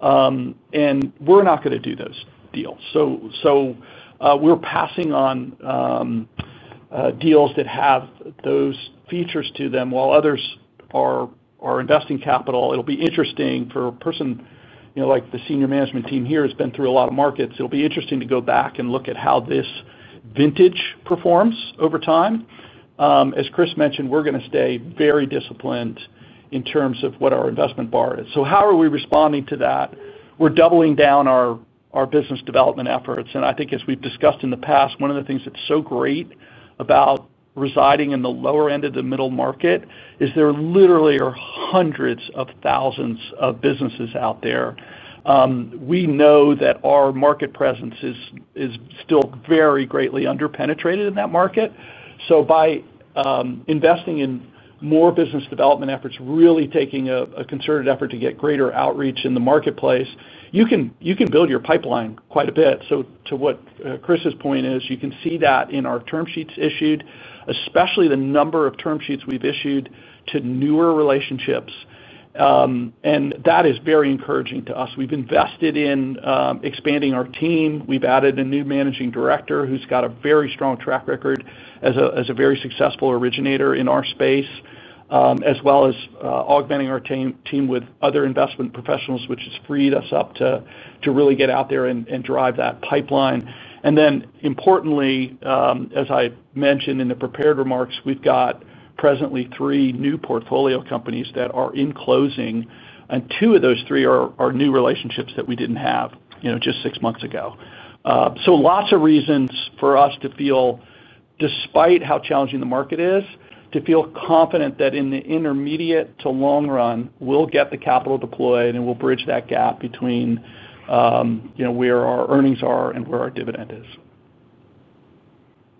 We're not going to do those deals. We're passing on deals that have those features to them while others are investing capital. It'll be interesting for a person, like the Senior Management Team here has been through a lot of markets. It'll be interesting to go back and look at how this vintage performs over time. As Chris mentioned, we're going to stay very disciplined in terms of what our investment bar is. How are we responding to that? We're doubling down our business development efforts. I think as we've discussed in the past, one of the things that's so great about residing in the lower end of the middle market is there literally are hundreds of thousands of businesses out there. We know that our market presence is still very greatly underpenetrated in that market. By investing in more business development efforts, really taking a concerted effort to get greater outreach in the marketplace, you can build your pipeline quite a bit. To what Chris's point is, you can see that in our term sheets issued, especially the number of term sheets we've issued to newer relationships. That is very encouraging to us. We've invested in expanding our team. We've added a new Managing Director who's got a very strong track record as a very successful originator in our space, as well as augmenting our team with other investment professionals, which has freed us up to really get out there and drive that pipeline. Importantly, as I mentioned in the prepared remarks, we've got presently three new portfolio companies that are in closing, and two of those three are new relationships that we didn't have just six months ago. There are lots of reasons for us to feel, despite how challenging the market is, confident that in the intermediate to long run, we'll get the capital deployed and we'll bridge that gap between where our earnings are and where our dividend is.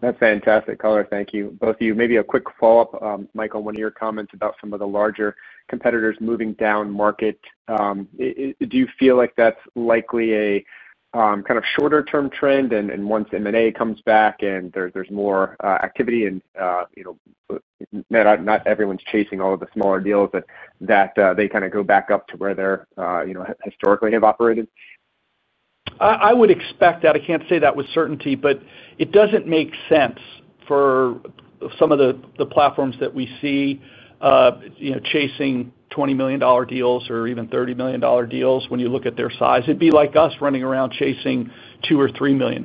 That's fantastic color. Thank you, both of you. Maybe a quick follow-up, Michael, one of your comments about some of the larger competitors moving down market. Do you feel like that's likely a kind of shorter-term trend, and once M&A comes back and there's more activity and, you know, not everyone's chasing all of the smaller deals, that they kind of go back up to where they, you know, historically have operated? I would expect that. I can't say that with certainty, but it doesn't make sense for some of the platforms that we see, you know, chasing $20 million deals or even $30 million deals. When you look at their size, it'd be like us running around chasing $2 or $3 million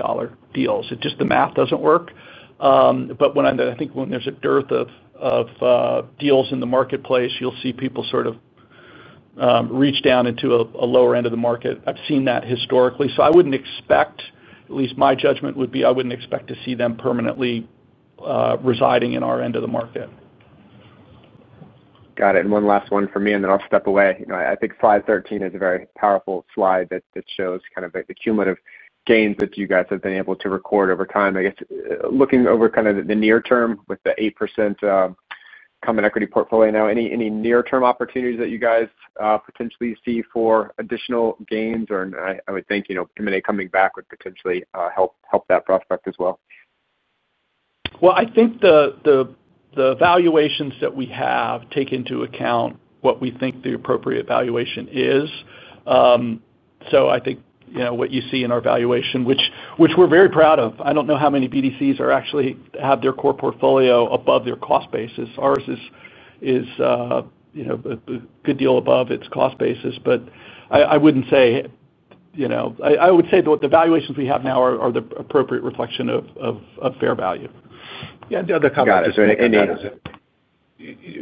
deals. The math doesn't work. When there's a dearth of deals in the marketplace, you'll see people sort of reach down into a lower end of the market. I've seen that historically. I wouldn't expect, at least my judgment would be, I wouldn't expect to see them permanently residing in our end of the market. Got it. One last one from me, and then I'll step away. I think slide 13 is a very powerful slide that shows kind of the cumulative gains that you guys have been able to record over time. I guess looking over kind of the near term with the 8% common equity portfolio now, any near-term opportunities that you guys potentially see for additional gains, or I would think M&A coming back would potentially help that prospect as well? I think the valuations that we have take into account what we think the appropriate valuation is. I think what you see in our valuation, which we're very proud of, I don't know how many BDCs actually have their core portfolio above their cost basis. Ours is a good deal above its cost basis, but I would say that the valuations we have now are the appropriate reflection of fair value. Yeah, the other comment. Got it. Is there any?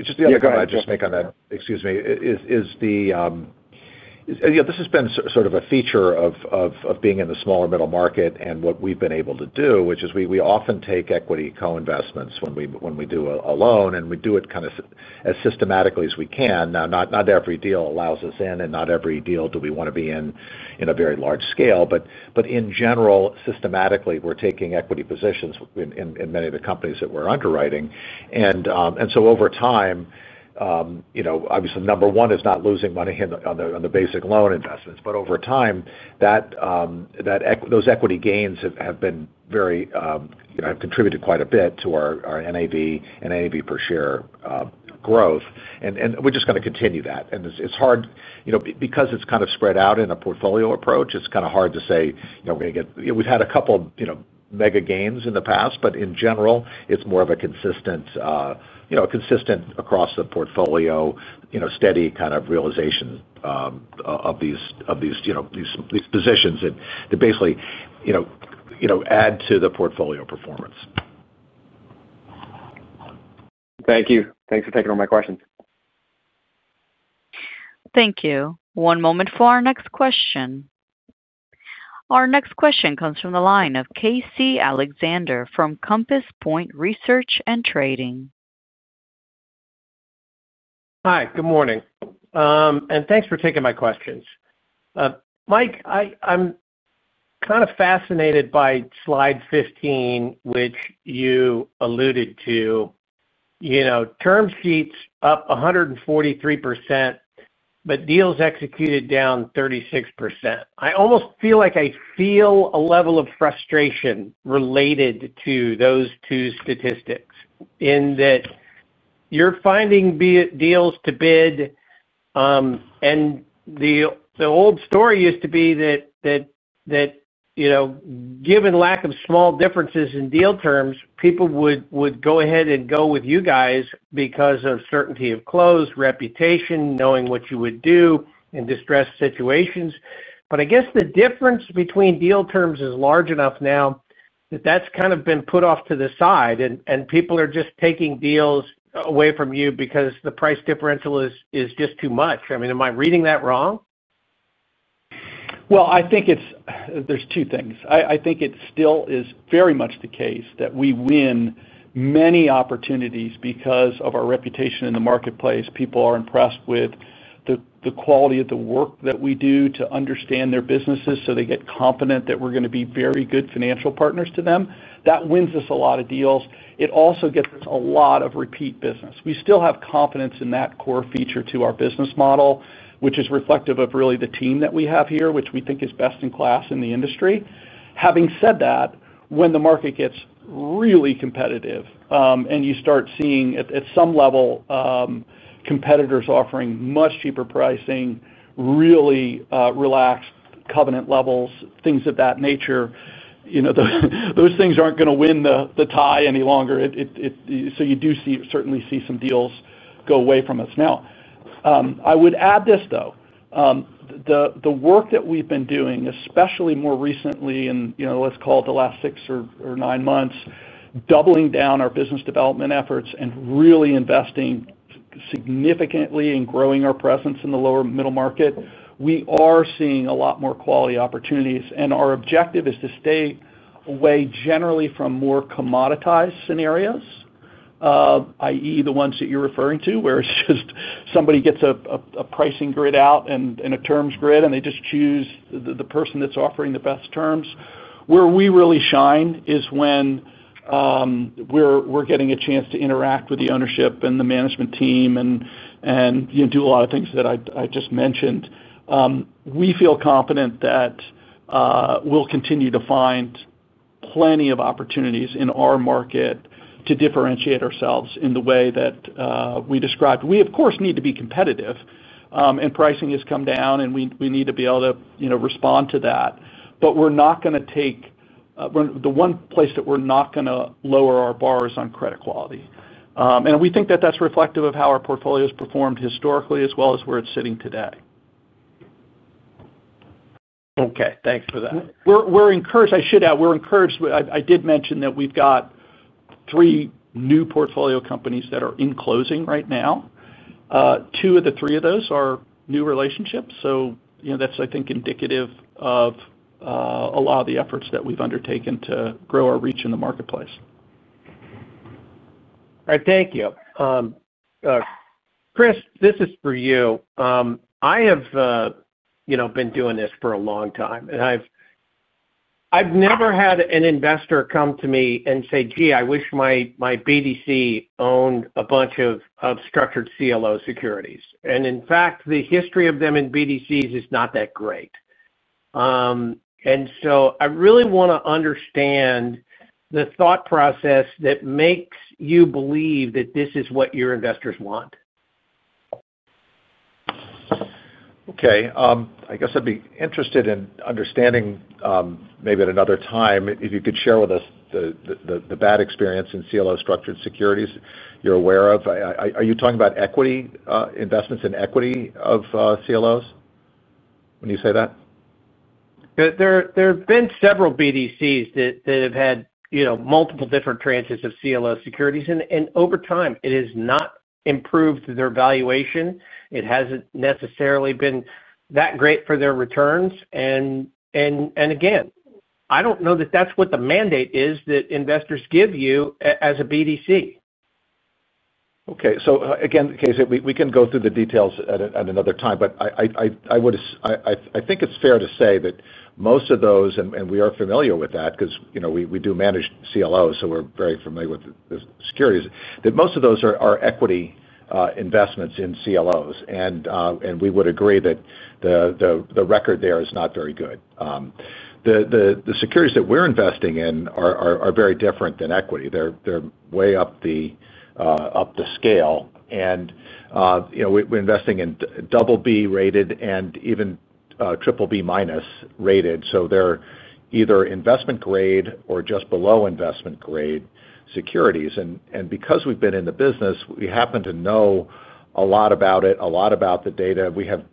Just the other thing. Yeah, go ahead. I'd just make on that, excuse me, this has been sort of a feature of being in the smaller middle market and what we've been able to do, which is we often take equity co-investments when we do a loan, and we do it kind of as systematically as we can. Not every deal allows us in, and not every deal do we want to be in in a very large scale. In general, systematically, we're taking equity positions in many of the companies that we're underwriting. Over time, number one is not losing money on the basic loan investments, but over time, those equity gains have been very, you know, have contributed quite a bit to our NAV and NAV per share growth. We're just going to continue that. It's hard, because it's kind of spread out in a portfolio approach, it's kind of hard to say, you know, we're going to get, you know, we've had a couple, you know, mega gains in the past, but in general, it's more of a consistent, you know, a consistent across the portfolio, steady kind of realization of these, you know, these positions that basically, you know, add to the portfolio performance. Thank you. Thanks for taking all my questions. Thank you. One moment for our next question. Our next question comes from the line of Casey Alexander from Compass Point Research. Hi, good morning. Thanks for taking my questions. Mike, I'm kind of fascinated by slide 15, which you alluded to. You know, term sheets up 143%, but deals executed down 36%. I almost feel like I feel a level of frustration related to those two statistics in that you're finding deals to bid, and the old story used to be that, you know, given lack of small differences in deal terms, people would go ahead and go with you guys because of certainty of close, reputation, knowing what you would do in distressed situations. I guess the difference between deal terms is large enough now that that's kind of been put off to the side, and people are just taking deals away from you because the price differential is just too much. I mean, am I reading that wrong? I think there's two things. I think it still is very much the case that we win many opportunities because of our reputation in the marketplace. People are impressed with the quality of the work that we do to understand their businesses, so they get confident that we're going to be very good financial partners to them. That wins us a lot of deals. It also gets us a lot of repeat business. We still have confidence in that core feature to our business model, which is reflective of really the team that we have here, which we think is best in class in the industry. Having said that, when the market gets really competitive and you start seeing at some level competitors offering much cheaper pricing, really relaxed covenant levels, things of that nature, those things aren't going to win the tie any longer. You do certainly see some deals go away from us. I would add this though, the work that we've been doing, especially more recently in, let's call it the last six or nine months, doubling down our business development efforts and really investing significantly in growing our presence in the lower middle market, we are seeing a lot more quality opportunities. Our objective is to stay away generally from more commoditized scenarios, i.e., the ones that you're referring to, where it's just somebody gets a pricing grid out and a terms grid, and they just choose the person that's offering the best terms. Where we really shine is when we're getting a chance to interact with the ownership and the management team and do a lot of things that I just mentioned. We feel confident that we'll continue to find plenty of opportunities in our market to differentiate ourselves in the way that we described. We, of course, need to be competitive, and pricing has come down, and we need to be able to respond to that. We're not going to take, the one place that we're not going to lower our bar is on credit quality. We think that that's reflective of how our portfolio has performed historically, as well as where it's sitting today. Okay, thanks for that. We're encouraged. I did mention that we've got three new portfolio companies that are in closing right now. Two of the three of those are new relationships. I think that's indicative of a lot of the efforts that we've undertaken to grow our reach in the marketplace. All right, thank you. Chris, this is for you. I have been doing this for a long time, and I've never had an investor come to me and say, gee, I wish my BDC owned a bunch of structured CLO securities. In fact, the history of them in BDCs is not that great. I really want to understand the thought process that makes you believe that this is what your investors want. Okay, I guess I'd be interested in understanding maybe at another time if you could share with us the bad experience in CLO structured securities you're aware of. Are you talking about equity investments in equity of CLOs when you say that? There have been several BDCs that have had multiple different tranches of CLO securities, and over time, it has not improved their valuation. It hasn't necessarily been that great for their returns. I don't know that that's what the mandate is that investors give you as a BDC. Okay, so again, I can say we can go through the details at another time, but I think it's fair to say that most of those, and we are familiar with that because, you know, we do manage CLOs, so we're very familiar with the securities, that most of those are equity investments in CLOs. We would agree that the record there is not very good. The securities that we're investing in are very different than equity. They're way up the scale. You know, we're investing in BB rated and even BBB- rated. So they're either investment grade or just below investment grade securities. Because we've been in the business, we happen to know a lot about it, a lot about the data. We have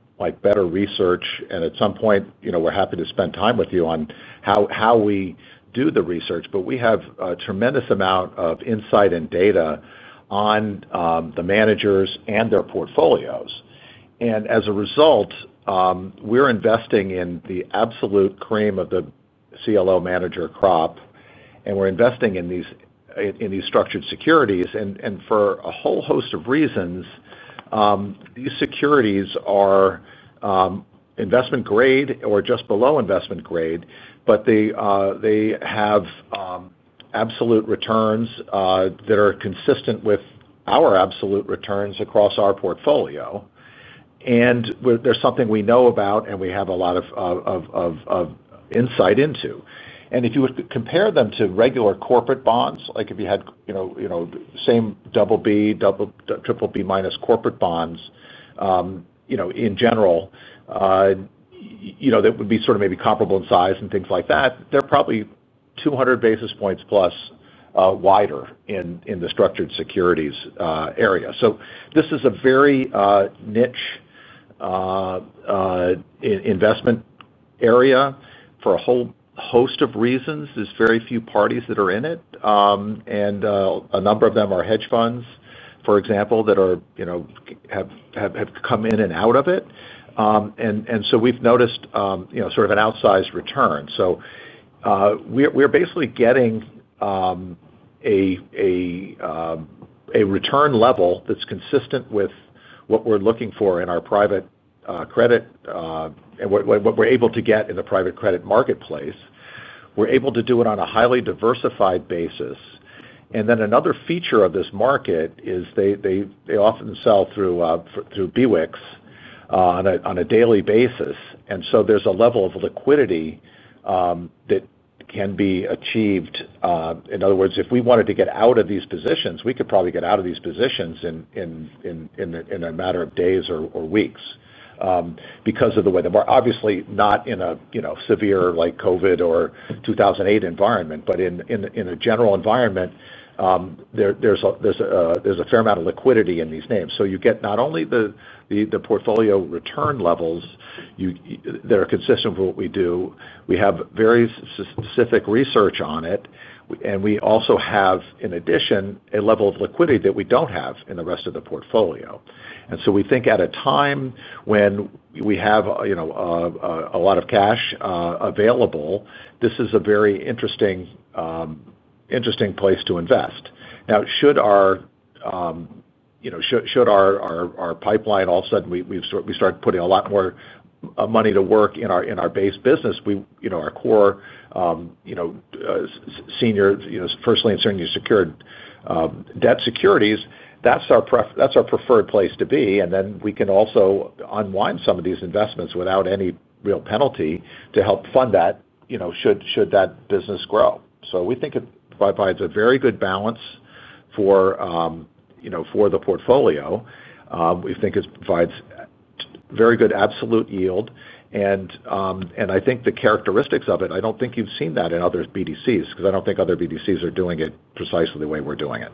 better research, and at some point, you know, we're happy to spend time with you on how we do the research. We have a tremendous amount of insight and data on the managers and their portfolios. As a result, we're investing in the absolute cream of the CLO manager crop, and we're investing in these structured securities. For a whole host of reasons, these securities are investment grade or just below investment grade, but they have absolute returns that are consistent with our absolute returns across our portfolio. There's something we know about, and we have a lot of insight into. If you would compare them to regular corporate bonds, like if you had, you know, same BB, BBB- corporate bonds, you know, in general, you know, that would be sort of maybe comparable in size and things like that, they're probably 200 basis points+ wider in the structured securities area. This is a very niche investment area for a whole host of reasons. There are very few parties that are in it. A number of them are hedge funds, for example, that have come in and out of it. We've noticed, you know, sort of an outsized return. We're basically getting a return level that's consistent with what we're looking for in our private credit and what we're able to get in the private credit marketplace. We're able to do it on a highly diversified basis. Another feature of this market is they often sell through BWICs on a daily basis. There's a level of liquidity that can be achieved. In other words, if we wanted to get out of these positions, we could probably get out of these positions in a matter of days or weeks because of the way the market operates, obviously not in a severe, like COVID or 2008 environment, but in a general environment, there's a fair amount of liquidity in these names. You get not only the portfolio return levels that are consistent with what we do. We have very specific research on it. We also have, in addition, a level of liquidity that we don't have in the rest of the portfolio. We think at a time when we have a lot of cash available, this is a very interesting place to invest. Now, should our pipeline all of a sudden start putting a lot more money to work in our base business, our core senior first lien senior secured debt securities, that's our preferred place to be. We can also unwind some of these investments without any real penalty to help fund that, should that business grow. We think it provides a very good balance for the portfolio. We think it provides very good absolute yield. I think the characteristics of it, I don't think you've seen that in other BDCs because I don't think other BDCs are doing it precisely the way we're doing it.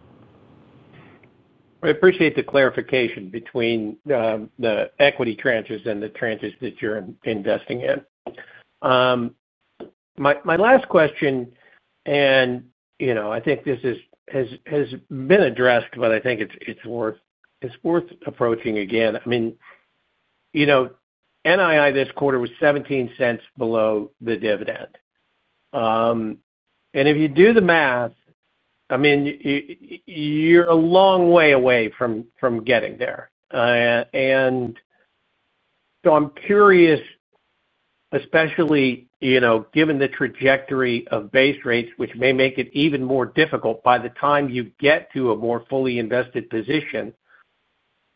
I appreciate the clarification between the equity tranches and the tranches that you're investing in. My last question, and I think this has been addressed, but I think it's worth approaching again. I mean, you know, NII this quarter was $0.17 below the dividend. If you do the math, you're a long way away from getting there. I'm curious, especially given the trajectory of base rates, which may make it even more difficult by the time you get to a more fully invested position,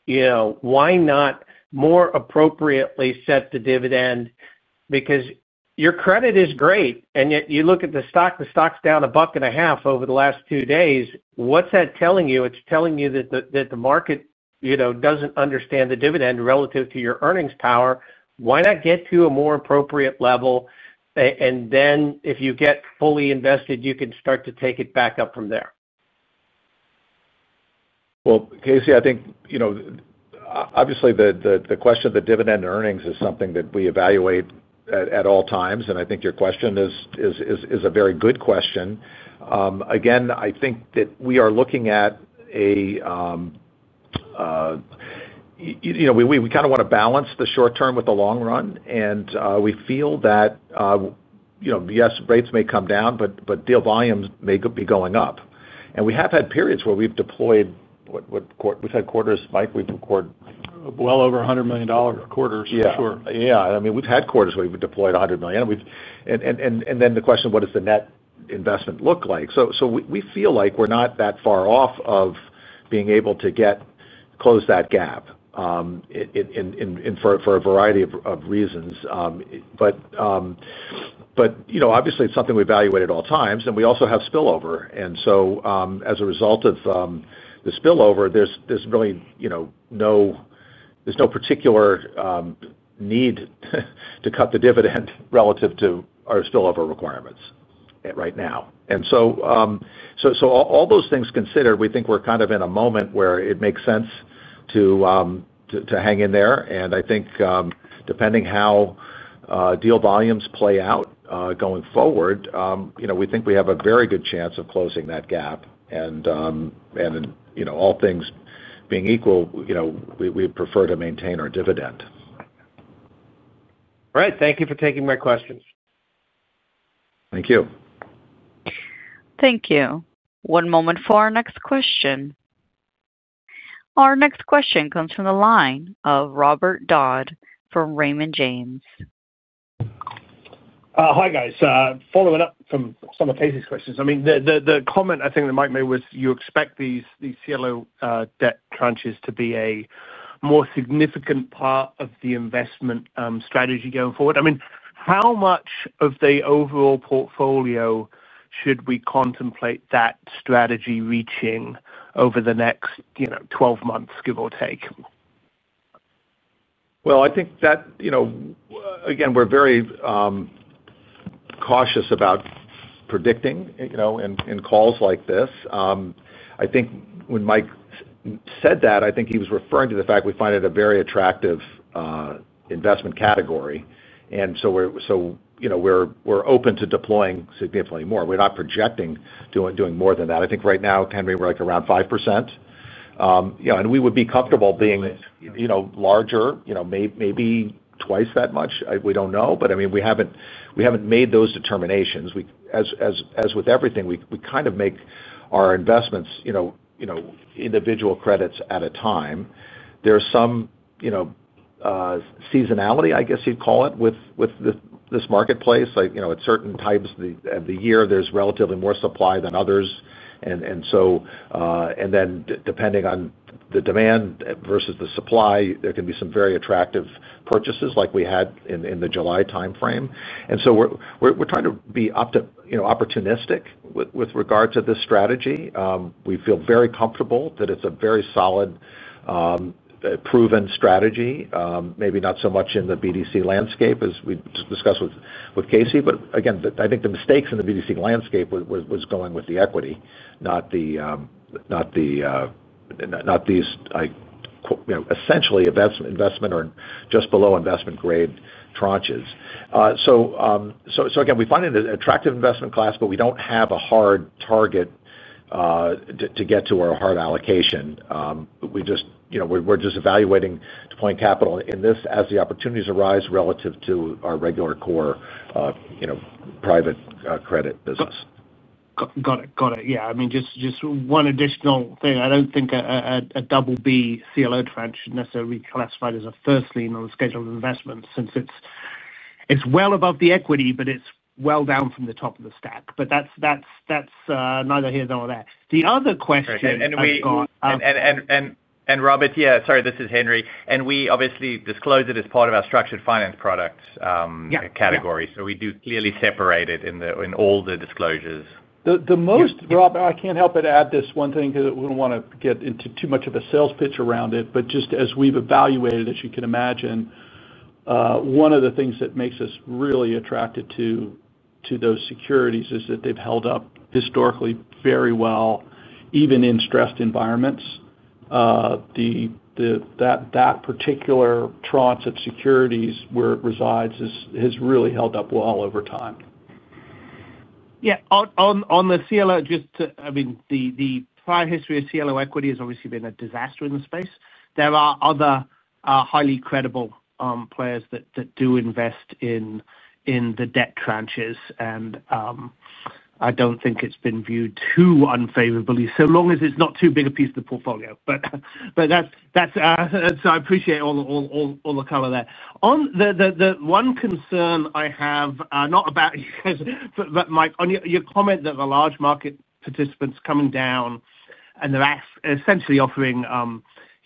why not more appropriately set the dividend? Your credit is great, and yet you look at the stock, the stock's down $1.50 over the last two days. What's that telling you? It's telling you that the market doesn't understand the dividend relative to your earnings power. Why not get to a more appropriate level? If you get fully invested, you can start to take it back up from there. Casey, I think, obviously the question of the dividend earnings is something that we evaluate at all times. I think your question is a very good question. I think that we are looking at a, you know, we kind of want to balance the short term with the long run. We feel that, you know, yes, rates may come down, but deal volumes may be going up. We have had periods where we've deployed, what we've had quarters, Mike, we've recorded. Over $100 million quarters, yeah. Yeah, I mean, we've had quarters where we've deployed $100 million. The question of what does the net investment look like? We feel like we're not that far off of being able to close that gap for a variety of reasons. Obviously, it's something we evaluate at all times. We also have spillover. As a result of the spillover, there's really no particular need to cut the dividend relative to our spillover requirements right now. All those things considered, we think we're kind of in a moment where it makes sense to hang in there. I think depending on how deal volumes play out going forward, we think we have a very good chance of closing that gap. All things being equal, we'd prefer to maintain our dividend. All right, thank you for taking my questions. Thank you. Thank you. One moment for our next question. Our next question comes from the line of Robert Dodd from Raymond James. Hi guys, following up from some of Casey's questions. I mean, the comment I think that Mike made was you expect these CLO debt tranches to be a more significant part of the investment strategy going forward. I mean, how much of the overall portfolio should we contemplate that strategy reaching over the next, you know, 12 months, give or take? I think that, you know, again, we're very cautious about predicting in calls like this. I think when Mike said that, I think he was referring to the fact we find it a very attractive investment category. You know, we're open to deploying significantly more. We're not projecting doing more than that. I think right now, Henri, we're like around 5%. We would be comfortable being larger, maybe twice that much. We don't know. I mean, we haven't made those determinations. As with everything, we kind of make our investments individual credits at a time. There's some seasonality, I guess you'd call it, with this marketplace. Like, at certain times of the year, there's relatively more supply than others. Depending on the demand versus the supply, there can be some very attractive purchases like we had in the July timeframe. We're trying to be opportunistic with regard to this strategy. We feel very comfortable that it's a very solid, proven strategy, maybe not so much in the BDC landscape as we discussed with Casey, but again, I think the mistakes in the BDC landscape were going with the equity, not these essentially investment or just below investment grade tranches. Again, we find it an attractive investment class, but we don't have a hard target to get to or hard allocation. We're just evaluating to point capital in this as the opportunities arise relative to our regular core private credit business. Got it, got it. I mean, just one additional thing. I don't think a BB CLO tranche should necessarily be classified as a first lien on a scheduled investment since it's well above the equity, but it's well down from the top of the stack. That's neither here nor there. The other question... Robert, yeah, sorry, this is Henri. We obviously disclose it as part of our structured finance product category. We do clearly separate it in all the disclosures. Rob, I can't help but add this one thing because I wouldn't want to get into too much of a sales pitch around it, but just as we've evaluated, as you can imagine, one of the things that makes us really attracted to those securities is that they've held up historically very well, even in stressed environments. That particular tranche of securities where it resides has really held up well over time. Yeah, on the CLO, just to, I mean, the prior history of CLO equity has obviously been a disaster in the space. There are other highly credible players that do invest in the debt tranches, and I don't think it's been viewed too unfavorably so long as it's not too big a piece of the portfolio. I appreciate all the color there. One concern I have, not about you guys, but Mike, on your comment that the large market participants are coming down and they're essentially offering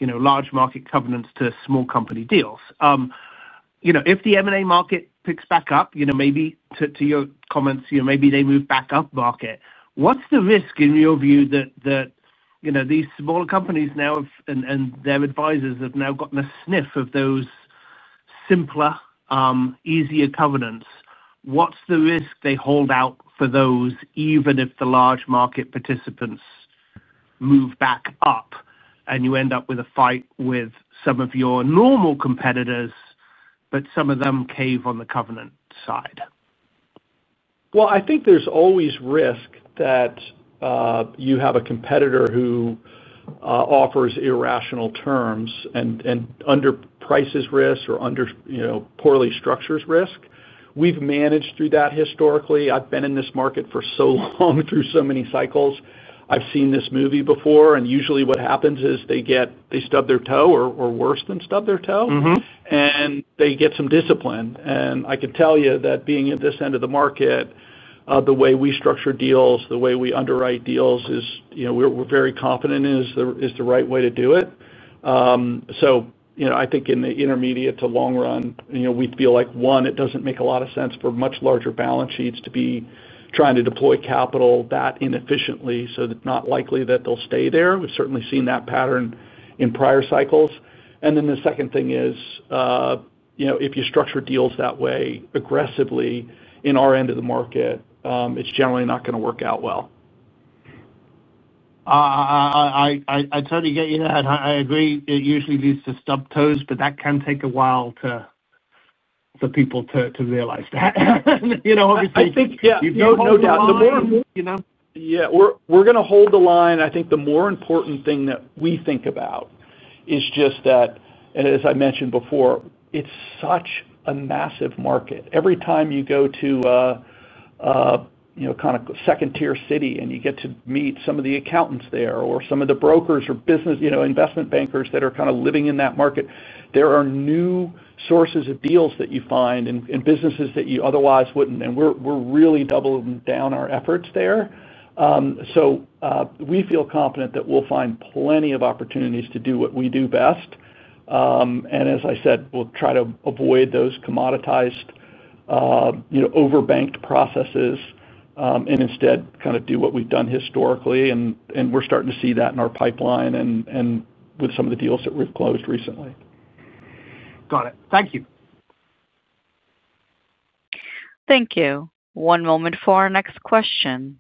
large market covenants to small company deals. If the M&A market picks back up, maybe to your comments, maybe they move back up market. What's the risk in your view that these smaller companies now have, and their advisors have now gotten a sniff of those simpler, easier covenants? What's the risk they hold out for those, even if the large market participants move back up and you end up with a fight with some of your normal competitors, but some of them cave on the covenant side? I think there's always risk that you have a competitor who offers irrational terms and underprices risk or poorly structures risk. We've managed through that historically. I've been in this market for so long, through so many cycles. I've seen this movie before, and usually what happens is they get, they stub their toe or worse than stub their toe, and they get some discipline. I could tell you that being at this end of the market, the way we structure deals, the way we underwrite deals is, we're very confident is the right way to do it. I think in the intermediate to long run, we feel like one, it doesn't make a lot of sense for much larger balance sheets to be trying to deploy capital that in the [efficiently]. It's not likely that they'll stay there. We've certainly seen that pattern in prior cycles. The second thing is, you know, if you structure deals that way aggressively in our end of the market, it's generally not going to work out well. I totally get you there. I agree it usually leads to stubbed toes, but that can take a while for people to realize that, you know. I think, yeah, no doubt. The more you know. Yeah, we're going to hold the line. I think the more important thing that we think about is just that, as I mentioned before, it's such a massive market. Every time you go to a kind of second-tier city and you get to meet some of the accountants there or some of the brokers or business investment bankers that are kind of living in that market, there are new sources of deals that you find and businesses that you otherwise wouldn't. We're really doubling down our efforts there. We feel confident that we'll find plenty of opportunities to do what we do best. As I said, we'll try to avoid those commoditized, overbanked processes and instead kind of do what we've done historically. We're starting to see that in our pipeline and with some of the deals that we've closed recently. Got it. Thank you. Thank you. One moment for our next question.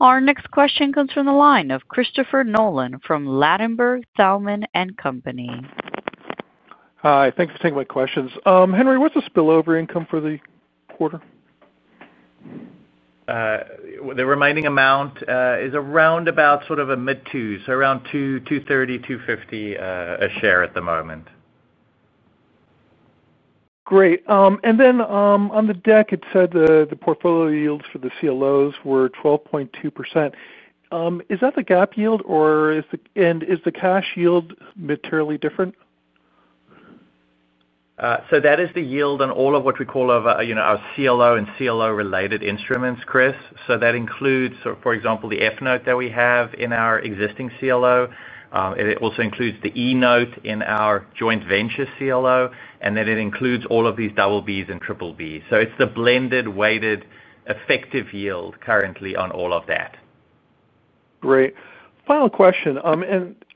Our next question comes from the line of Christopher Nolan from Landenburg Thalmann & Company. Hi. Thanks for taking my questions. Henri, what's the spillover income for the quarter? The remaining amount is around about sort of a mid-two, so around $2.00, $2.30, $2.50 a share at the moment. Great. On the deck, it said the portfolio yields for the CLOs were 12.2%. Is that the GAAP yield, and is the cash yield materially different? That is the yield on all of what we call our CLO and CLO-related instruments, Chris. That includes, for example, the F note that we have in our existing CLO. It also includes the E note in our joint venture CLO, and it includes all of these BBs and BBBs. It is the blended weighted effective yield currently on all of that. Right. Final question.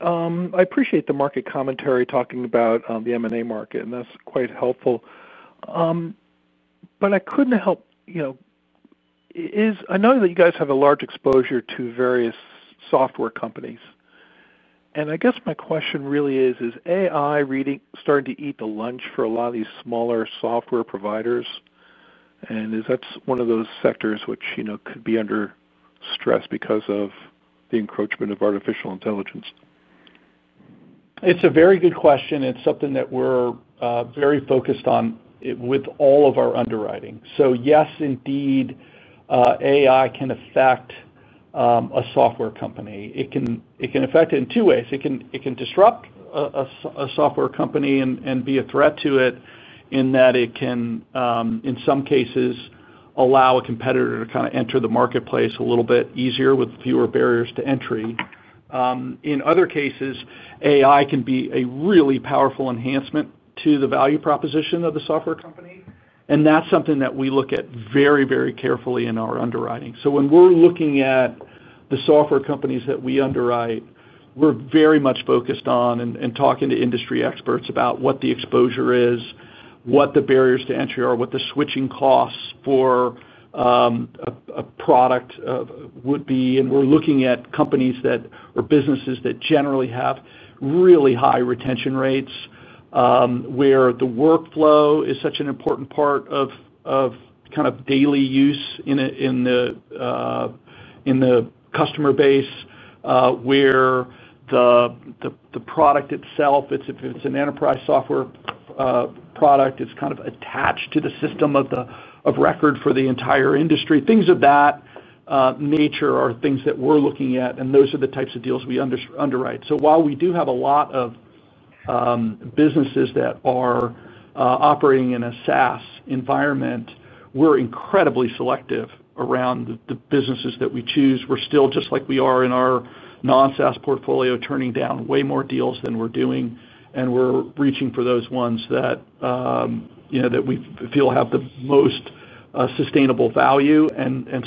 I appreciate the market commentary talking about the M&A market, and that's quite helpful. I couldn't help, you know, I know that you guys have a large exposure to various software companies. I guess my question really is, is AI starting to eat the lunch for a lot of these smaller software providers? Is that one of those sectors which could be under stress because of the encroachment of artificial intelligence? It's a very good question. It's something that we're very focused on with all of our underwriting. Yes, indeed, AI can affect a software company. It can affect it in two ways. It can disrupt a software company and be a threat to it in that it can, in some cases, allow a competitor to kind of enter the marketplace a little bit easier with fewer barriers to entry. In other cases, AI can be a really powerful enhancement to the value proposition of the software company. That's something that we look at very, very carefully in our underwriting. When we're looking at the software companies that we underwrite, we're very much focused on and talking to industry experts about what the exposure is, what the barriers to entry are, what the switching costs for a product would be. We're looking at companies or businesses that generally have really high retention rates, where the workflow is such an important part of daily use in the customer base, where the product itself, if it's an enterprise software product, is kind of attached to the system of record for the entire industry. Things of that nature are things that we're looking at, and those are the types of deals we underwrite. While we do have a lot of businesses that are operating in a SaaS environment, we're incredibly selective around the businesses that we choose. We're still, just like we are in our non-SaaS portfolio, turning down way more deals than we're doing. We're reaching for those ones that we feel have the most sustainable value.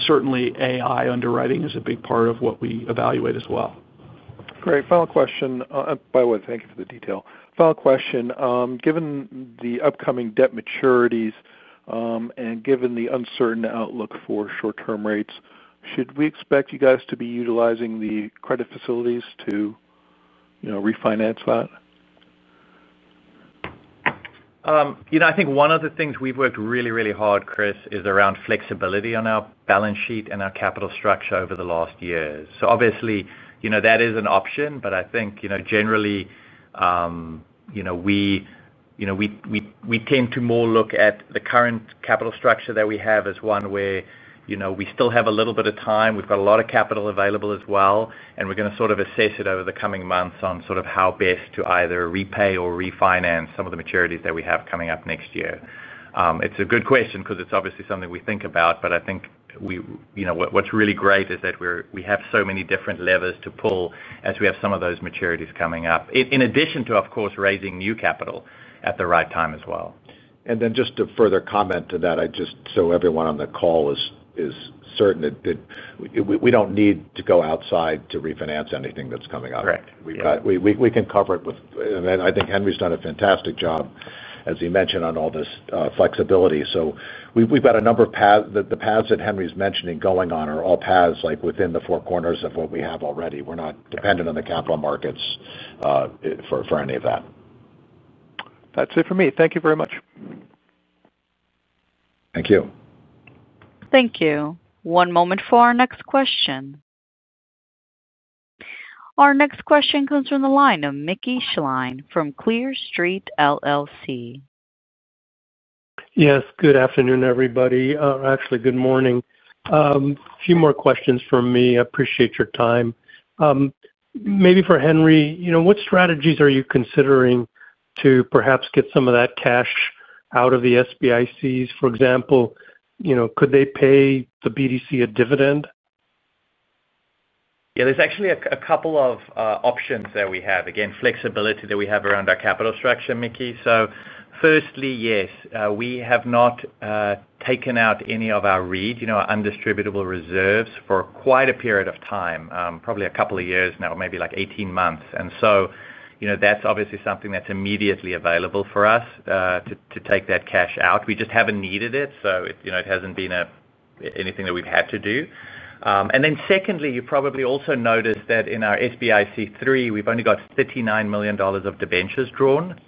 Certainly, AI underwriting is a big part of what we evaluate as well. Great. Final question. By the way, thank you for the detail. Final question. Given the upcoming debt maturities and given the uncertain outlook for short-term rates, should we expect you guys to be utilizing the credit facilities to refinance that? I think one of the things we've worked really, really hard, Chris, is around flexibility on our balance sheet and our capital structure over the last years. Obviously, that is an option. I think, generally, we tend to more look at the current capital structure that we have as one way. We still have a little bit of time. We've got a lot of capital available as well. We're going to sort of assess it over the coming months on how best to either repay or refinance some of the maturities that we have coming up next year. It's a good question because it's obviously something we think about. I think what's really great is that we have so many different levers to pull as we have some of those maturities coming up, in addition to, of course, raising new capital at the right time as well. Just to further comment to that, just so everyone on the call is certain that we don't need to go outside to refinance anything that's coming up. We can cover it with, and I think Henri's done a fantastic job, as he mentioned, on all this flexibility. We've got a number of paths. The paths that Henri's mentioning going on are all paths within the four corners of what we have already. We're not dependent on the capital markets for any of that. That's it for me. Thank you very much. Thank you. Thank you. One moment for our next question. Our next question comes from the line of Mickey Schlein from Clear Street, LLC. Yes. Good afternoon, everybody. Actually, good morning. A few more questions from me. I appreciate your time. Maybe for Henri, you know, what strategies are you considering to perhaps get some of that cash out of the SBICs? For example, you know, could they pay the BDC a dividend? Yeah, there's actually a couple of options that we have. Again, flexibility that we have around our capital structure, Mickey. Firstly, yes, we have not taken out any of our REIT, you know, our undistributable reserves for quite a period of time, probably a couple of years now, maybe like 18 months. That's obviously something that's immediately available for us to take that cash out. We just haven't needed it. It hasn't been anything that we've had to do. Secondly, you probably also noticed that in our SBIC, we've only got $39 million of debentures drawn,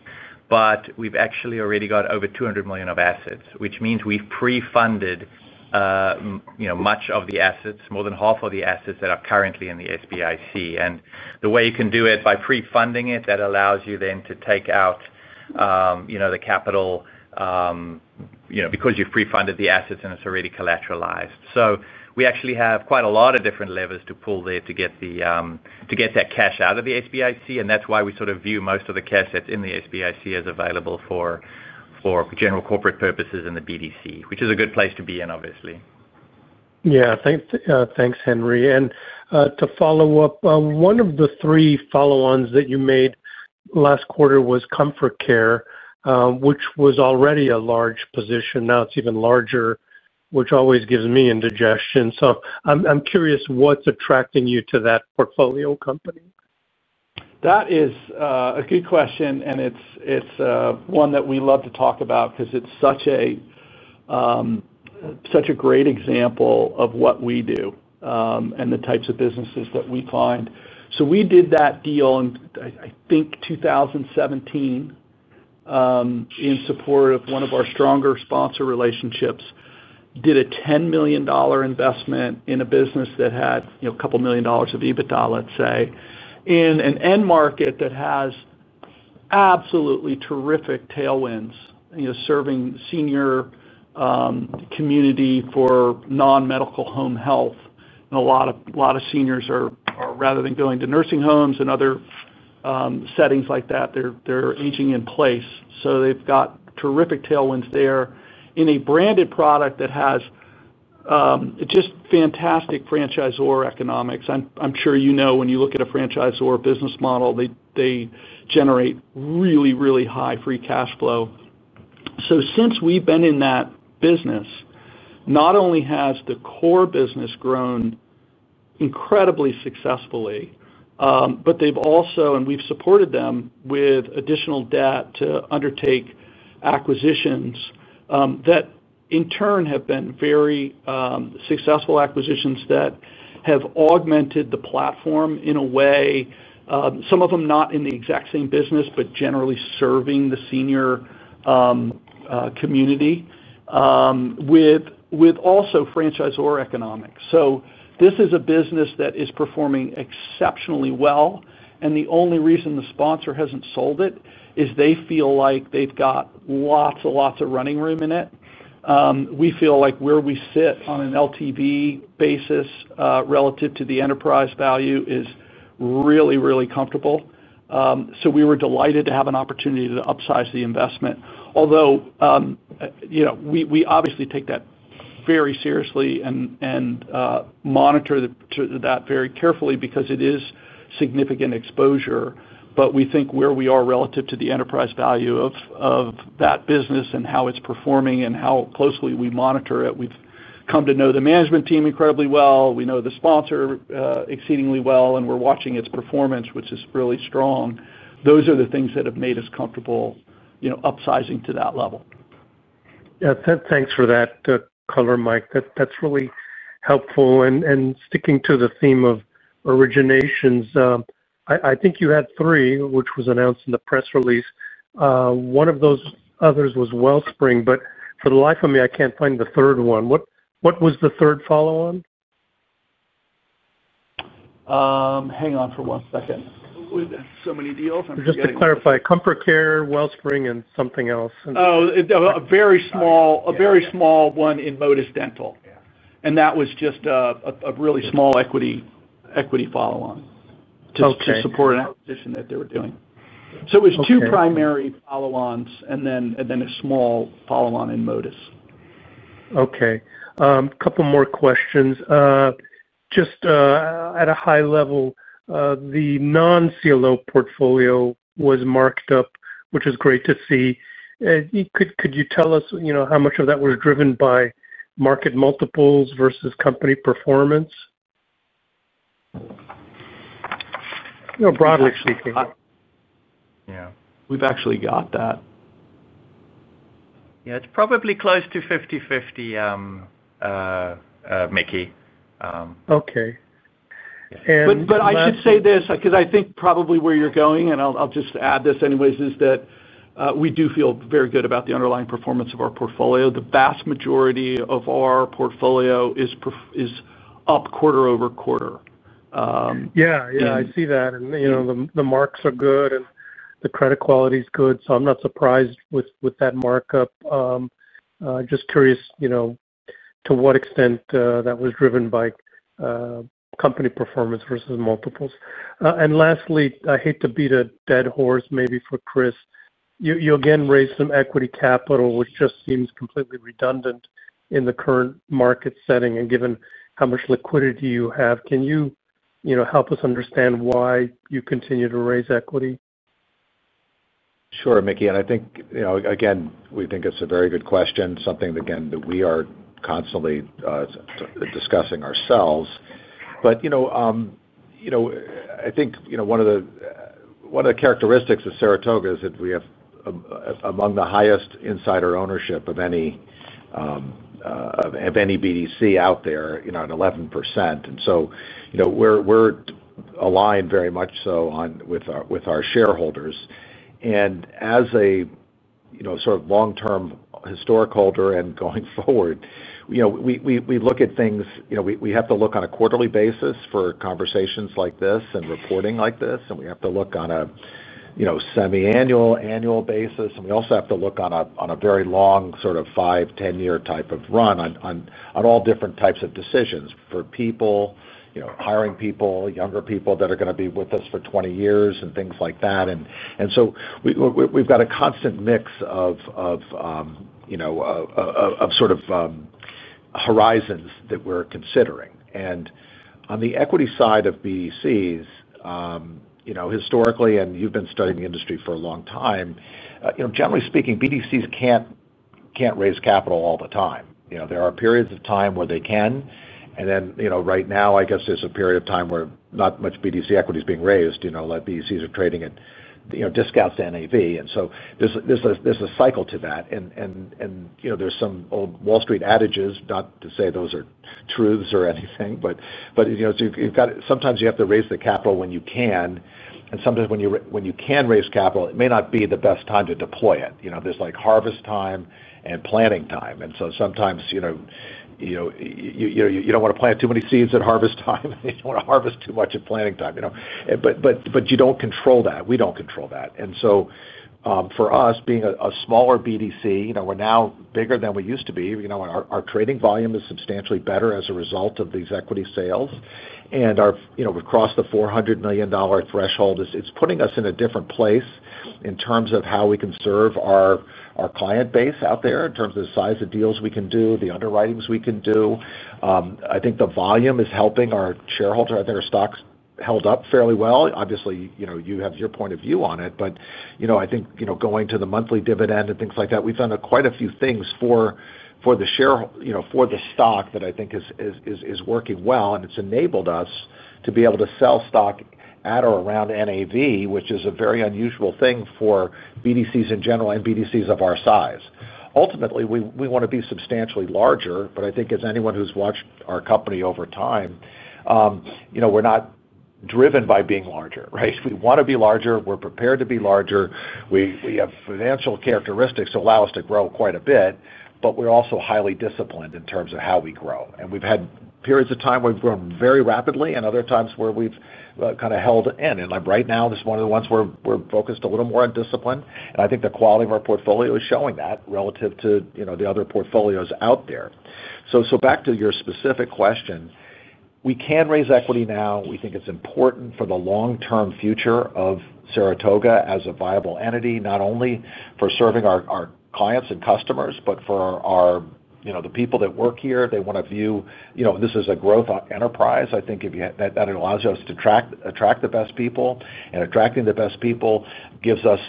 but we've actually already got over $200 million of assets, which means we've pre-funded much of the assets, more than half of the assets that are currently in the SBIC. The way you can do it by pre-funding it, that allows you then to take out the capital, you know, because you've pre-funded the assets and it's already collateralized. We actually have quite a lot of different levers to pull there to get that cash out of the SBIC. That's why we sort of view most of the cash that's in the SBIC as available for general corporate purposes in the BDC, which is a good place to be in, obviously. Yeah, thanks, Henri. To follow up, one of the three follow-ons that you made last quarter was Comfort Care, which was already a large position. Now it's even larger, which always gives me indigestion. I'm curious what's attracting you to that portfolio company. That is a good question. It's one that we love to talk about because it's such a great example of what we do and the types of businesses that we find. We did that deal in, I think, 2017 in support of one of our stronger sponsor relationships, did a $10 million investment in a business that had a couple million dollars of EBITDA, let's say, in an end market that has absolutely terrific tailwinds, you know, serving senior community for non-medical home health. A lot of seniors are, rather than going to nursing homes and other settings like that, aging in place. They've got terrific tailwinds there in a branded product that has just fantastic franchisor economics. I'm sure you know when you look at a franchisor business model, they generate really, really high free cash flow. Since we've been in that business, not only has the core business grown incredibly successfully, they've also, and we've supported them with additional debt to undertake acquisitions that in turn have been very successful acquisitions that have augmented the platform in a way, some of them not in the exact same business, but generally serving the senior community with also franchisor economics. This is a business that is performing exceptionally well. The only reason the sponsor hasn't sold it is they feel like they've got lots and lots of running room in it. We feel like where we sit on an LTV basis relative to the enterprise value is really, really comfortable. We were delighted to have an opportunity to upsize the investment. Although, you know, we obviously take that very seriously and monitor that very carefully because it is significant exposure. We think where we are relative to the enterprise value of that business and how it's performing and how closely we monitor it, we've come to know the management team incredibly well. We know the sponsor exceedingly well, and we're watching its performance, which is really strong. Those are the things that have made us comfortable, you know, upsizing to that level. Yeah, thanks for that color, Mike. That's really helpful. Sticking to the theme of originations, I think you had three, which was announced in the press release. One of those others was Wellspring, but for the life of me, I can't find the third one. What was the third follow-on? Hang on for one second. We have so many deals. I'm just getting it. Just to clarify, Comfort Care, Wellspring, and something else. A very small one in Modus Dental. That was just a really small equity follow-on to support an acquisition that they were doing. It was two primary follow-ons and then a small follow-on in Modus. Okay. A couple more questions. Just at a high level, the non-CLO portfolio was marked up, which is great to see. Could you tell us how much of that was driven by market multiples versus company performance? You know, broadly speaking. Yeah, we've actually got that. Yeah, it's probably close to 50/50, Mickey. Okay. I should say this because I think probably where you're going, and I'll just add this anyways, is that we do feel very good about the underlying performance of our portfolio. The vast majority of our portfolio is up quarter-over-quarter. Yeah, I see that. You know, the marks are good and the credit quality is good. I'm not surprised with that markup. Just curious, to what extent that was driven by company performance versus multiples. Lastly, I hate to beat a dead horse, maybe for Chris. You again raised some equity capital, which just seems completely redundant in the current market setting. Given how much liquidity you have, can you help us understand why you continue to raise equity? Sure, Mickey. I think it's a very good question, something that we are constantly discussing ourselves. I think one of the characteristics of Saratoga is that we have among the highest insider ownership of any BDC out there, at 11%. We're aligned very much so with our shareholders. As a sort of long-term historic holder and going forward, we look at things, we have to look on a quarterly basis for conversations like this and reporting like this. We have to look on a semi-annual, annual basis. We also have to look on a very long sort of 5, 10-year type of run on all different types of decisions for people, hiring people, younger people that are going to be with us for 20 years and things like that. We've got a constant mix of horizons that we're considering. On the equity side of BDCs, historically, and you've been studying the industry for a long time, generally speaking, BDCs can't raise capital all the time. There are periods of time where they can. Right now, I guess there's a period of time where not much BDC equity is being raised. A lot of BDCs are trading at discounts to NAV. There's a cycle to that. There are some old Wall Street adages, not to say those are truths or anything, but sometimes you have to raise the capital when you can. Sometimes when you can raise capital, it may not be the best time to deploy it. There's like harvest time and planting time. Sometimes you don't want to plant too many seeds at harvest time. You don't want to harvest too much at planting time, but you don't control that. We don't control that. For us, being a smaller BDC, we're now bigger than we used to be. Our trading volume is substantially better as a result of these equity sales. We've crossed the $400 million threshold. It's putting us in a different place in terms of how we can serve our client base out there, in terms of the size of deals we can do, the underwritings we can do. I think the volume is helping our shareholders. I think our stock's held up fairly well. Obviously, you have your point of view on it. I think going to the monthly dividend and things like that, we've done quite a few things for the share, for the stock that I think is working well. It's enabled us to be able to sell stock at or around NAV, which is a very unusual thing for BDCs in general and BDCs of our size. Ultimately, we want to be substantially larger. I think as anyone who's watched our company over time, we're not driven by being larger, right? We want to be larger. We're prepared to be larger. We have financial characteristics that allow us to grow quite a bit. We're also highly disciplined in terms of how we grow. We've had periods of time where we've grown very rapidly and other times where we've kind of held in. Right now, this is one of the ones where we're focused a little more on discipline. I think the quality of our portfolio is showing that relative to the other portfolios out there. Back to your specific question, we can raise equity now. We think it's important for the long-term future of Saratoga as a viable entity, not only for serving our clients and customers, but for the people that work here. They want to view, and this is a growth enterprise. I think it allows us to attract the best people, and attracting the best people gives us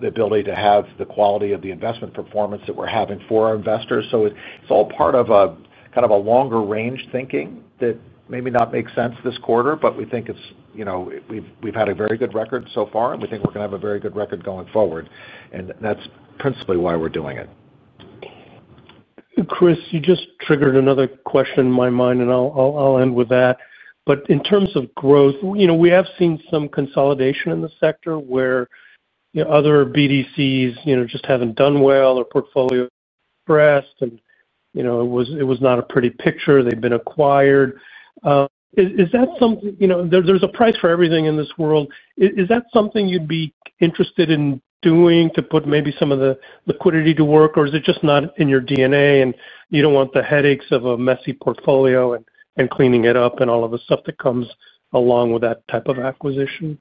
the ability to have the quality of the investment performance that we're having for our investors. It's all part of a kind of a longer range thinking that maybe does not make sense this quarter, but we think we've had a very good record so far, and we think we're going to have a very good record going forward. That's principally why we're doing it. Chris, you just triggered another question in my mind, and I'll end with that. In terms of growth, we have seen some consolidation in the sector where other BDCs just haven't done well or portfolio stressed, and it was not a pretty picture. They've been acquired. Is that something, you know, there's a price for everything in this world. Is that something you'd be interested in doing to put maybe some of the liquidity to work, or is it just not in your DNA and you don't want the headaches of a messy portfolio and cleaning it up and all of the stuff that comes along with that type of acquisition?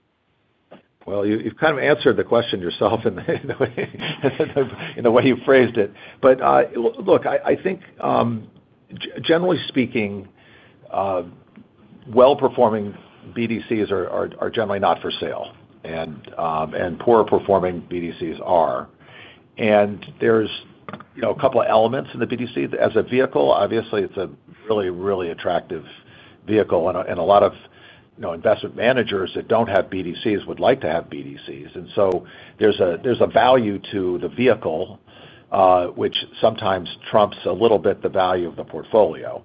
You've kind of answered the question yourself in the way you phrased it. I think generally speaking, well-performing BDCs are generally not for sale, and poor-performing BDCs are. There's a couple of elements in the BDC as a vehicle. Obviously, it's a really, really attractive vehicle. A lot of investment managers that don't have BDCs would like to have BDCs. There's a value to the vehicle, which sometimes trumps a little bit the value of the portfolio.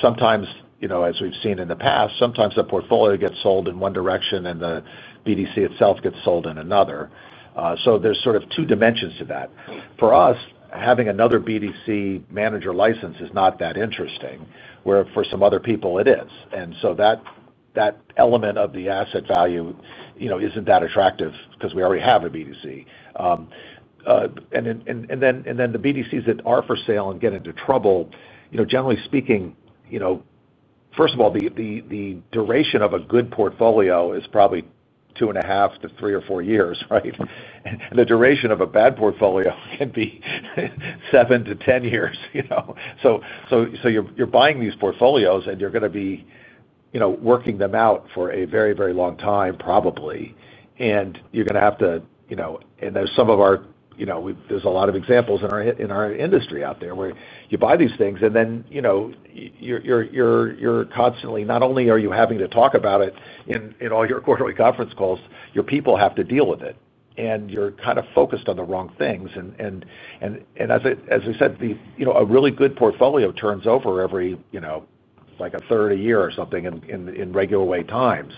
Sometimes, as we've seen in the past, the portfolio gets sold in one direction and the BDC itself gets sold in another. There are sort of two dimensions to that. For us, having another BDC manager license is not that interesting, where for some other people it is. That element of the asset value isn't that attractive because we already have a BDC. The BDCs that are for sale and get into trouble, generally speaking, first of all, the duration of a good portfolio is probably two and a half to three or four years, right? The duration of a bad portfolio can be seven to ten years. You're buying these portfolios, and you're going to be working them out for a very, very long time, probably, and you're going to have to, and there's a lot of examples in our industry out there where you buy these things, and then you're constantly, not only are you having to talk about it in all your quarterly conference calls, your people have to deal with it, and you're kind of focused on the wrong things. As I said, a really good portfolio turns over every, like a third a year or something in regular way times.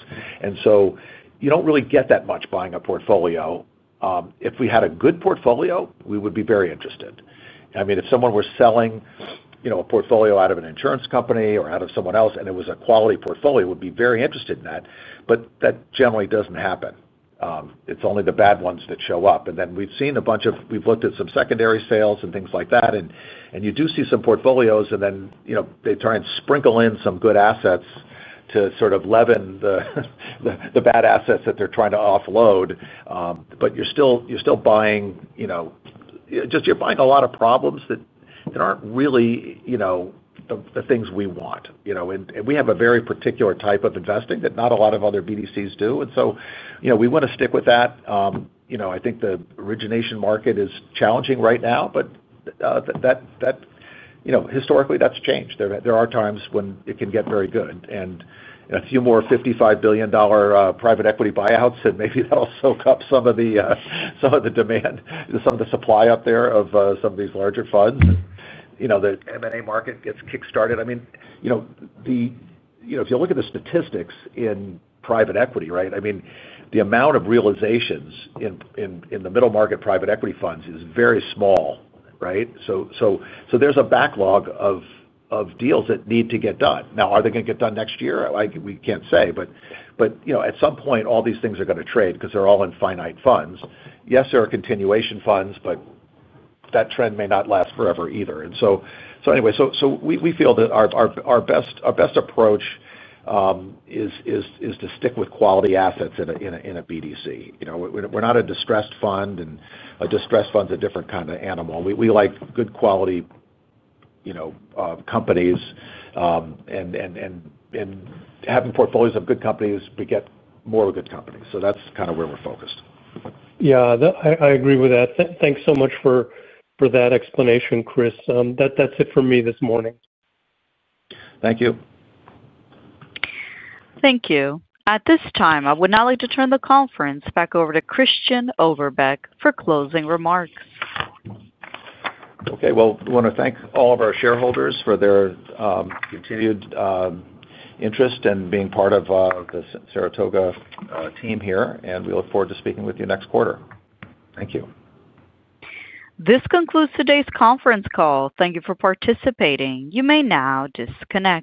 You don't really get that much buying a portfolio. If we had a good portfolio, we would be very interested. I mean, if someone were selling a portfolio out of an insurance company or out of someone else, and it was a quality portfolio, we'd be very interested in that. That generally doesn't happen. It's only the bad ones that show up. We've seen a bunch of, we've looked at some secondary sales and things like that. You do see some portfolios, and then they try and sprinkle in some good assets to sort of leaven the bad assets that they're trying to offload. You're still buying, you know, just you're buying a lot of problems that aren't really, you know, the things we want. We have a very particular type of investing that not a lot of other BDCs do, and we want to stick with that. I think the origination market is challenging right now, but historically, that's changed. There are times when it can get very good. A few more $55 billion private equity buyouts, and maybe that'll soak up some of the demand, some of the supply up there of some of these larger funds. The M&A market gets kickstarted. If you look at the statistics in private equity, right? The amount of realizations in the middle market private equity funds is very small, right? There's a backlog of deals that need to get done. Now, are they going to get done next year? We can't say. At some point, all these things are going to trade because they're all in finite funds. Yes, there are continuation funds, but that trend may not last forever either. We feel that our best approach is to stick with quality assets in a BDC. We're not a distressed fund, and a distressed fund is a different kind of animal. We like good quality, you know, companies. Having portfolios of good companies, we get more good companies. That's kind of where we're focused. Yeah, I agree with that. Thanks so much for that explanation, Chris. That's it for me this morning. Thank you. Thank you. At this time, I would now like to turn the conference back over to Christian Oberbeck for closing remarks. I want to thank all of our shareholders for their continued interest in being part of the Saratoga team here. We look forward to speaking with you next quarter. Thank you. This concludes today's conference call. Thank you for participating. You may now disconnect.